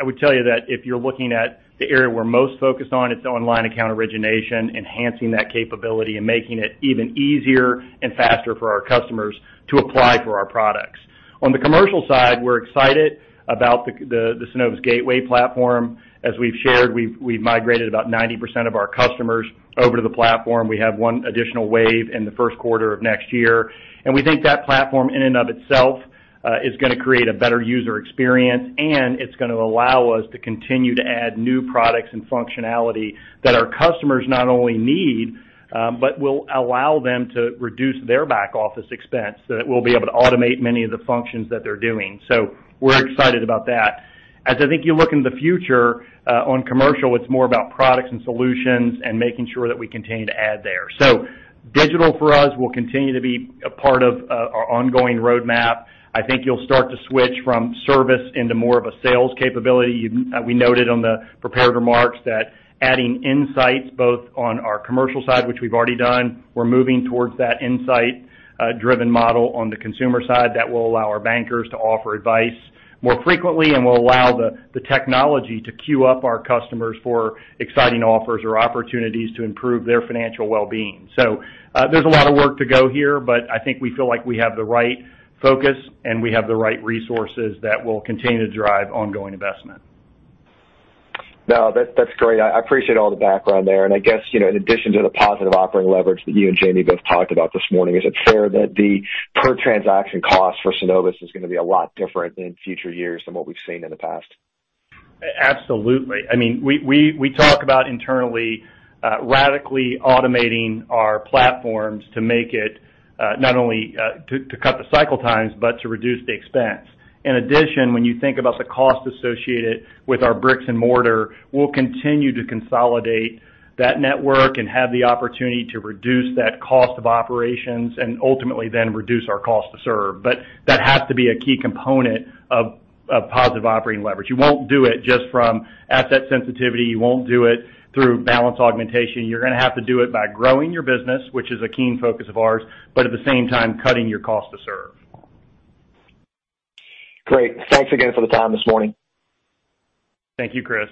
would tell you that if you're looking at the area we're most focused on, it's online account origination, enhancing that capability, and making it even easier and faster for our customers to apply for our products. On the commercial side, we're excited about the Synovus Gateway platform. As we've shared, we've migrated about 90% of our customers over to the platform. We have one additional wave in the first quarter of next year, and we think that platform in and of itself is going to create a better user experience, and it's going to allow us to continue to add new products and functionality that our customers not only need, but will allow them to reduce their back-office expense, that we'll be able to automate many of the functions that they're doing. We're excited about that. As I think you look into the future, on commercial, it's more about products and solutions and making sure that we continue to add there. Digital for us will continue to be a part of our ongoing roadmap. I think you'll start to switch from service into more of a sales capability. We noted on the prepared remarks that adding insights both on our commercial side, which we've already done, we're moving towards that insight-driven model on the consumer side that will allow our bankers to offer advice more frequently and will allow the technology to queue up our customers for exciting offers or opportunities to improve their financial well-being. There's a lot of work to go here, but I think we feel like we have the right focus and we have the right resources that will continue to drive ongoing investment. No, that's great. I appreciate all the background there. I guess, in addition to the positive operating leverage that you and Jamie both talked about this morning, is it fair that the per-transaction cost for Synovus is going to be a lot different in future years than what we've seen in the past? Absolutely. We talk about internally radically automating our platforms to make it, not only to cut the cycle times, but to reduce the expense. In addition, when you think about the cost associated with our bricks and mortar, we'll continue to consolidate that network and have the opportunity to reduce that cost of operations and ultimately then reduce our cost to serve. That has to be a key component of positive operating leverage. You won't do it just from asset sensitivity. You won't do it through balance augmentation. You're going to have to do it by growing your business, which is a keen focus of ours, but at the same time, cutting your cost to serve. Great. Thanks again for the time this morning. Thank you, Chris.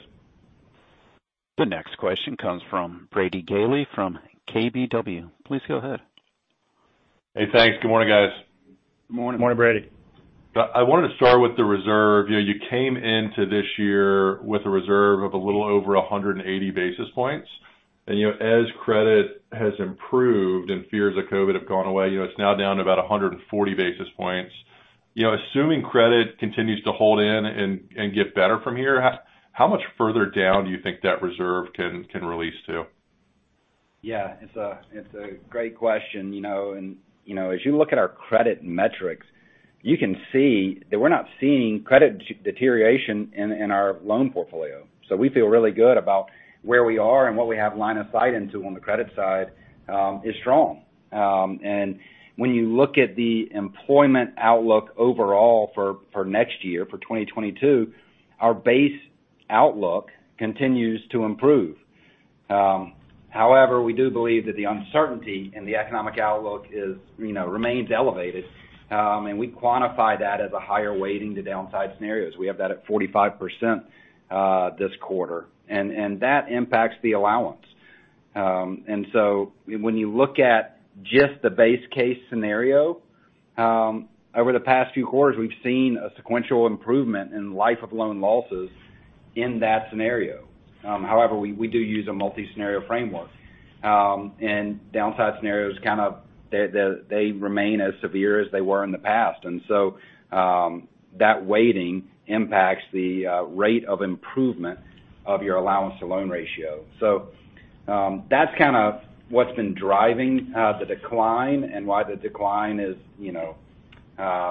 The next question comes from Brady Gailey from KBW. Please go ahead. Hey, thanks. Good morning, guys. Good morning. Morning, Brady. I wanted to start with the reserve. You came into this year with a reserve of a little over 180 basis points. As credit has improved and fears of COVID have gone away, it's now down to about 140 basis points. Assuming credit continues to hold in and get better from here, how much further down do you think that reserve can release to? It's a great question. As you look at our credit metrics, you can see that we're not seeing credit deterioration in our loan portfolio. We feel really good about where we are and what we have line of sight into on the credit side is strong. When you look at the employment outlook overall for next year, for 2022, our base outlook continues to improve. However, we do believe that the uncertainty in the economic outlook remains elevated. We quantify that as a higher weighting to downside scenarios. We have that at 45% this quarter, and that impacts the allowance. When you look at just the base case scenario, over the past few quarters, we've seen a sequential improvement in life of loan losses in that scenario. However, we do use a multi-scenario framework. Downside scenarios remain as severe as they were in the past. That weighting impacts the rate of improvement of your allowance to loan ratio. That's what's been driving the decline and why the decline is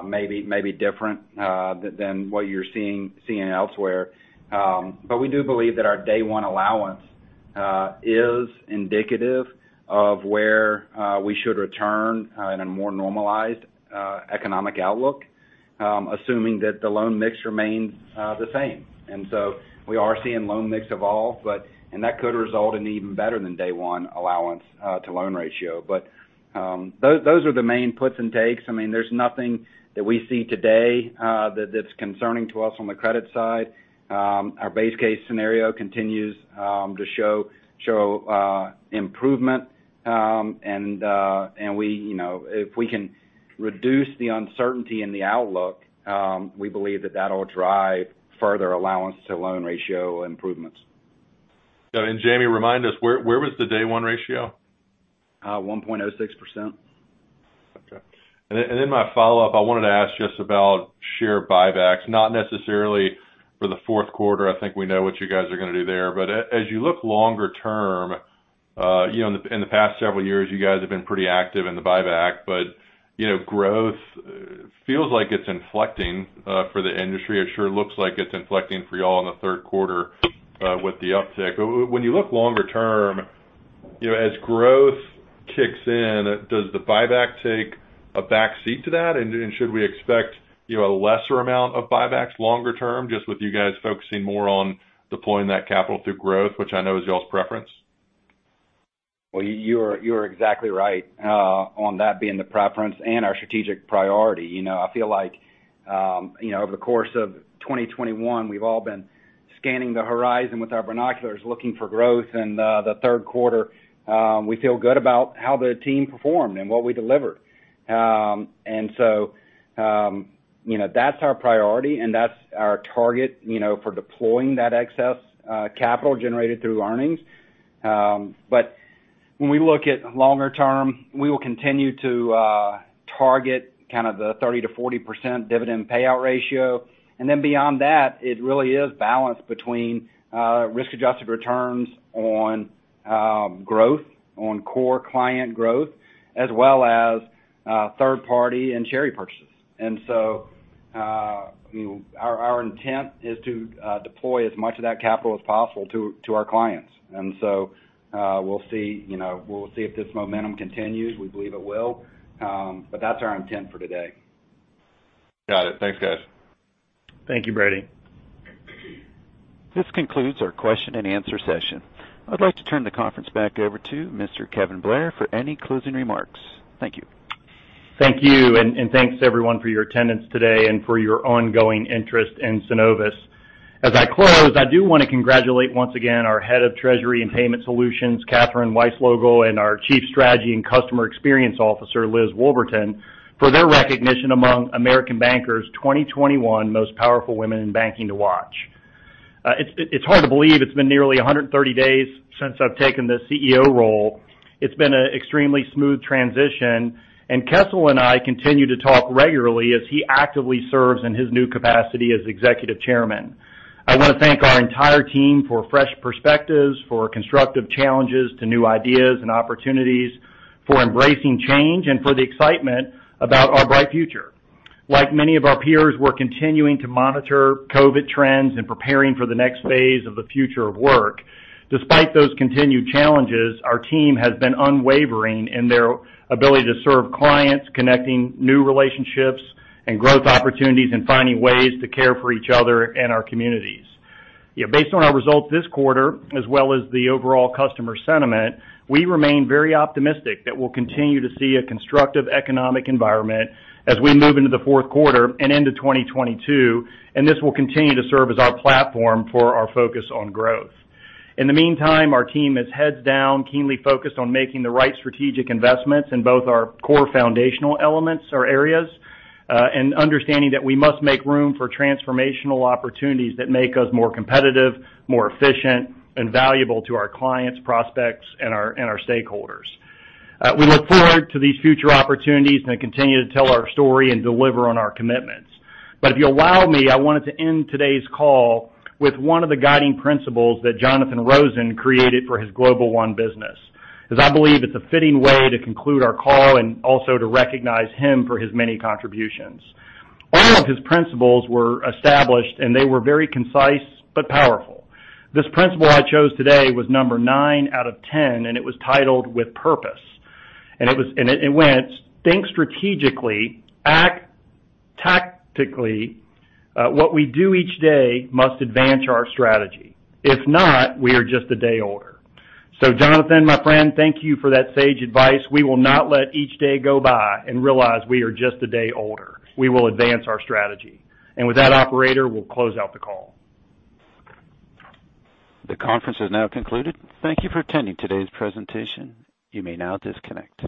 maybe different than what you're seeing elsewhere. We do believe that our day one allowance is indicative of where we should return in a more normalized economic outlook, assuming that the loan mix remains the same. We are seeing loan mix evolve, and that could result in even better than day one allowance to loan ratio. Those are the main puts and takes. There's nothing that we see today that's concerning to us on the credit side. Our base case scenario continues to show improvement. If we can reduce the uncertainty in the outlook, we believe that that'll drive further allowance to loan ratio improvements. Jamie, remind us, where was the day one ratio? 1.06%. Okay. My follow-up, I wanted to ask just about share buybacks, not necessarily for the fourth quarter. I think we know what you guys are going to do there. As you look longer term, in the past several years, you guys have been pretty active in the buyback, but growth feels like it's inflecting for the industry. It sure looks like it's inflecting for you all in the third quarter with the uptick. When you look longer term, as growth kicks in, does the buyback take a back seat to that? Should we expect a lesser amount of buybacks longer term, just with you guys focusing more on deploying that capital through growth, which I know is y'all's preference? Well, you are exactly right on that being the preference and our strategic priority. I feel like over the course of 2021, we've all been scanning the horizon with our binoculars, looking for growth in the third quarter, we feel good about how the team performed and what we delivered. That's our priority, and that's our target for deploying that excess capital generated through earnings. When we look at longer term, we will continue to target kind of the 30%-40% dividend payout ratio. Beyond that, it really is balanced between risk-adjusted returns on growth, on core client growth, as well as third-party and treasury purchases. Our intent is to deploy as much of that capital as possible to our clients. We'll see if this momentum continues. We believe it will. That's our intent for today. Got it. Thanks, guys. Thank you, Brady. This concludes our question and answer session. I'd like to turn the conference back over to Mr. Kevin Blair for any closing remarks. Thank you. Thank you. Thanks everyone for your attendance today and for your ongoing interest in Synovus. As I close, I do want to congratulate once again our Head of Treasury and Payment Solutions, Katherine Weislogel, and our Chief Strategy and Customer Experience Officer, Liz Wolverton, for their recognition among American Banker 2021 Most Powerful Women in Banking to Watch. It's hard to believe it's been nearly 130 days since I've taken the CEO role. It's been an extremely smooth transition, and Kessel and I continue to talk regularly as he actively serves in his new capacity as Executive Chairman. I want to thank our entire team for fresh perspectives, for constructive challenges to new ideas and opportunities, for embracing change, and for the excitement about our bright future. Like many of our peers, we're continuing to monitor COVID trends and preparing for the next phase of the future of work. Despite those continued challenges, our team has been unwavering in their ability to serve clients, connecting new relationships and growth opportunities, and finding ways to care for each other and our communities. Based on our results this quarter, as well as the overall customer sentiment, we remain very optimistic that we'll continue to see a constructive economic environment as we move into the fourth quarter and into 2022. This will continue to serve as our platform for our focus on growth. In the meantime, our team is heads down, keenly focused on making the right strategic investments in both our core foundational elements or areas. Understanding that we must make room for transformational opportunities that make us more competitive, more efficient, and valuable to our clients, prospects, and our stakeholders. We look forward to these future opportunities and continue to tell our story and deliver on our commitments. If you'll allow me, I wanted to end today's call with one of the guiding principles that Jonathan Rosen created for his Global One business, as I believe it's a fitting way to conclude our call and also to recognize him for his many contributions. All of his principles were established, and they were very concise but powerful. This principle I chose today was number 9 out of 10, it was titled With Purpose. It went, "Think strategically, act tactically. What we do each day must advance our strategy. If not, we are just a day older." Jonathan, my friend, thank you for that sage advice. We will not let each day go by and realize we are just a day older. We will advance our strategy. With that, Operator, we'll close out the call. The conference is now concluded. Thank you for attending today's presentation. You may now disconnect.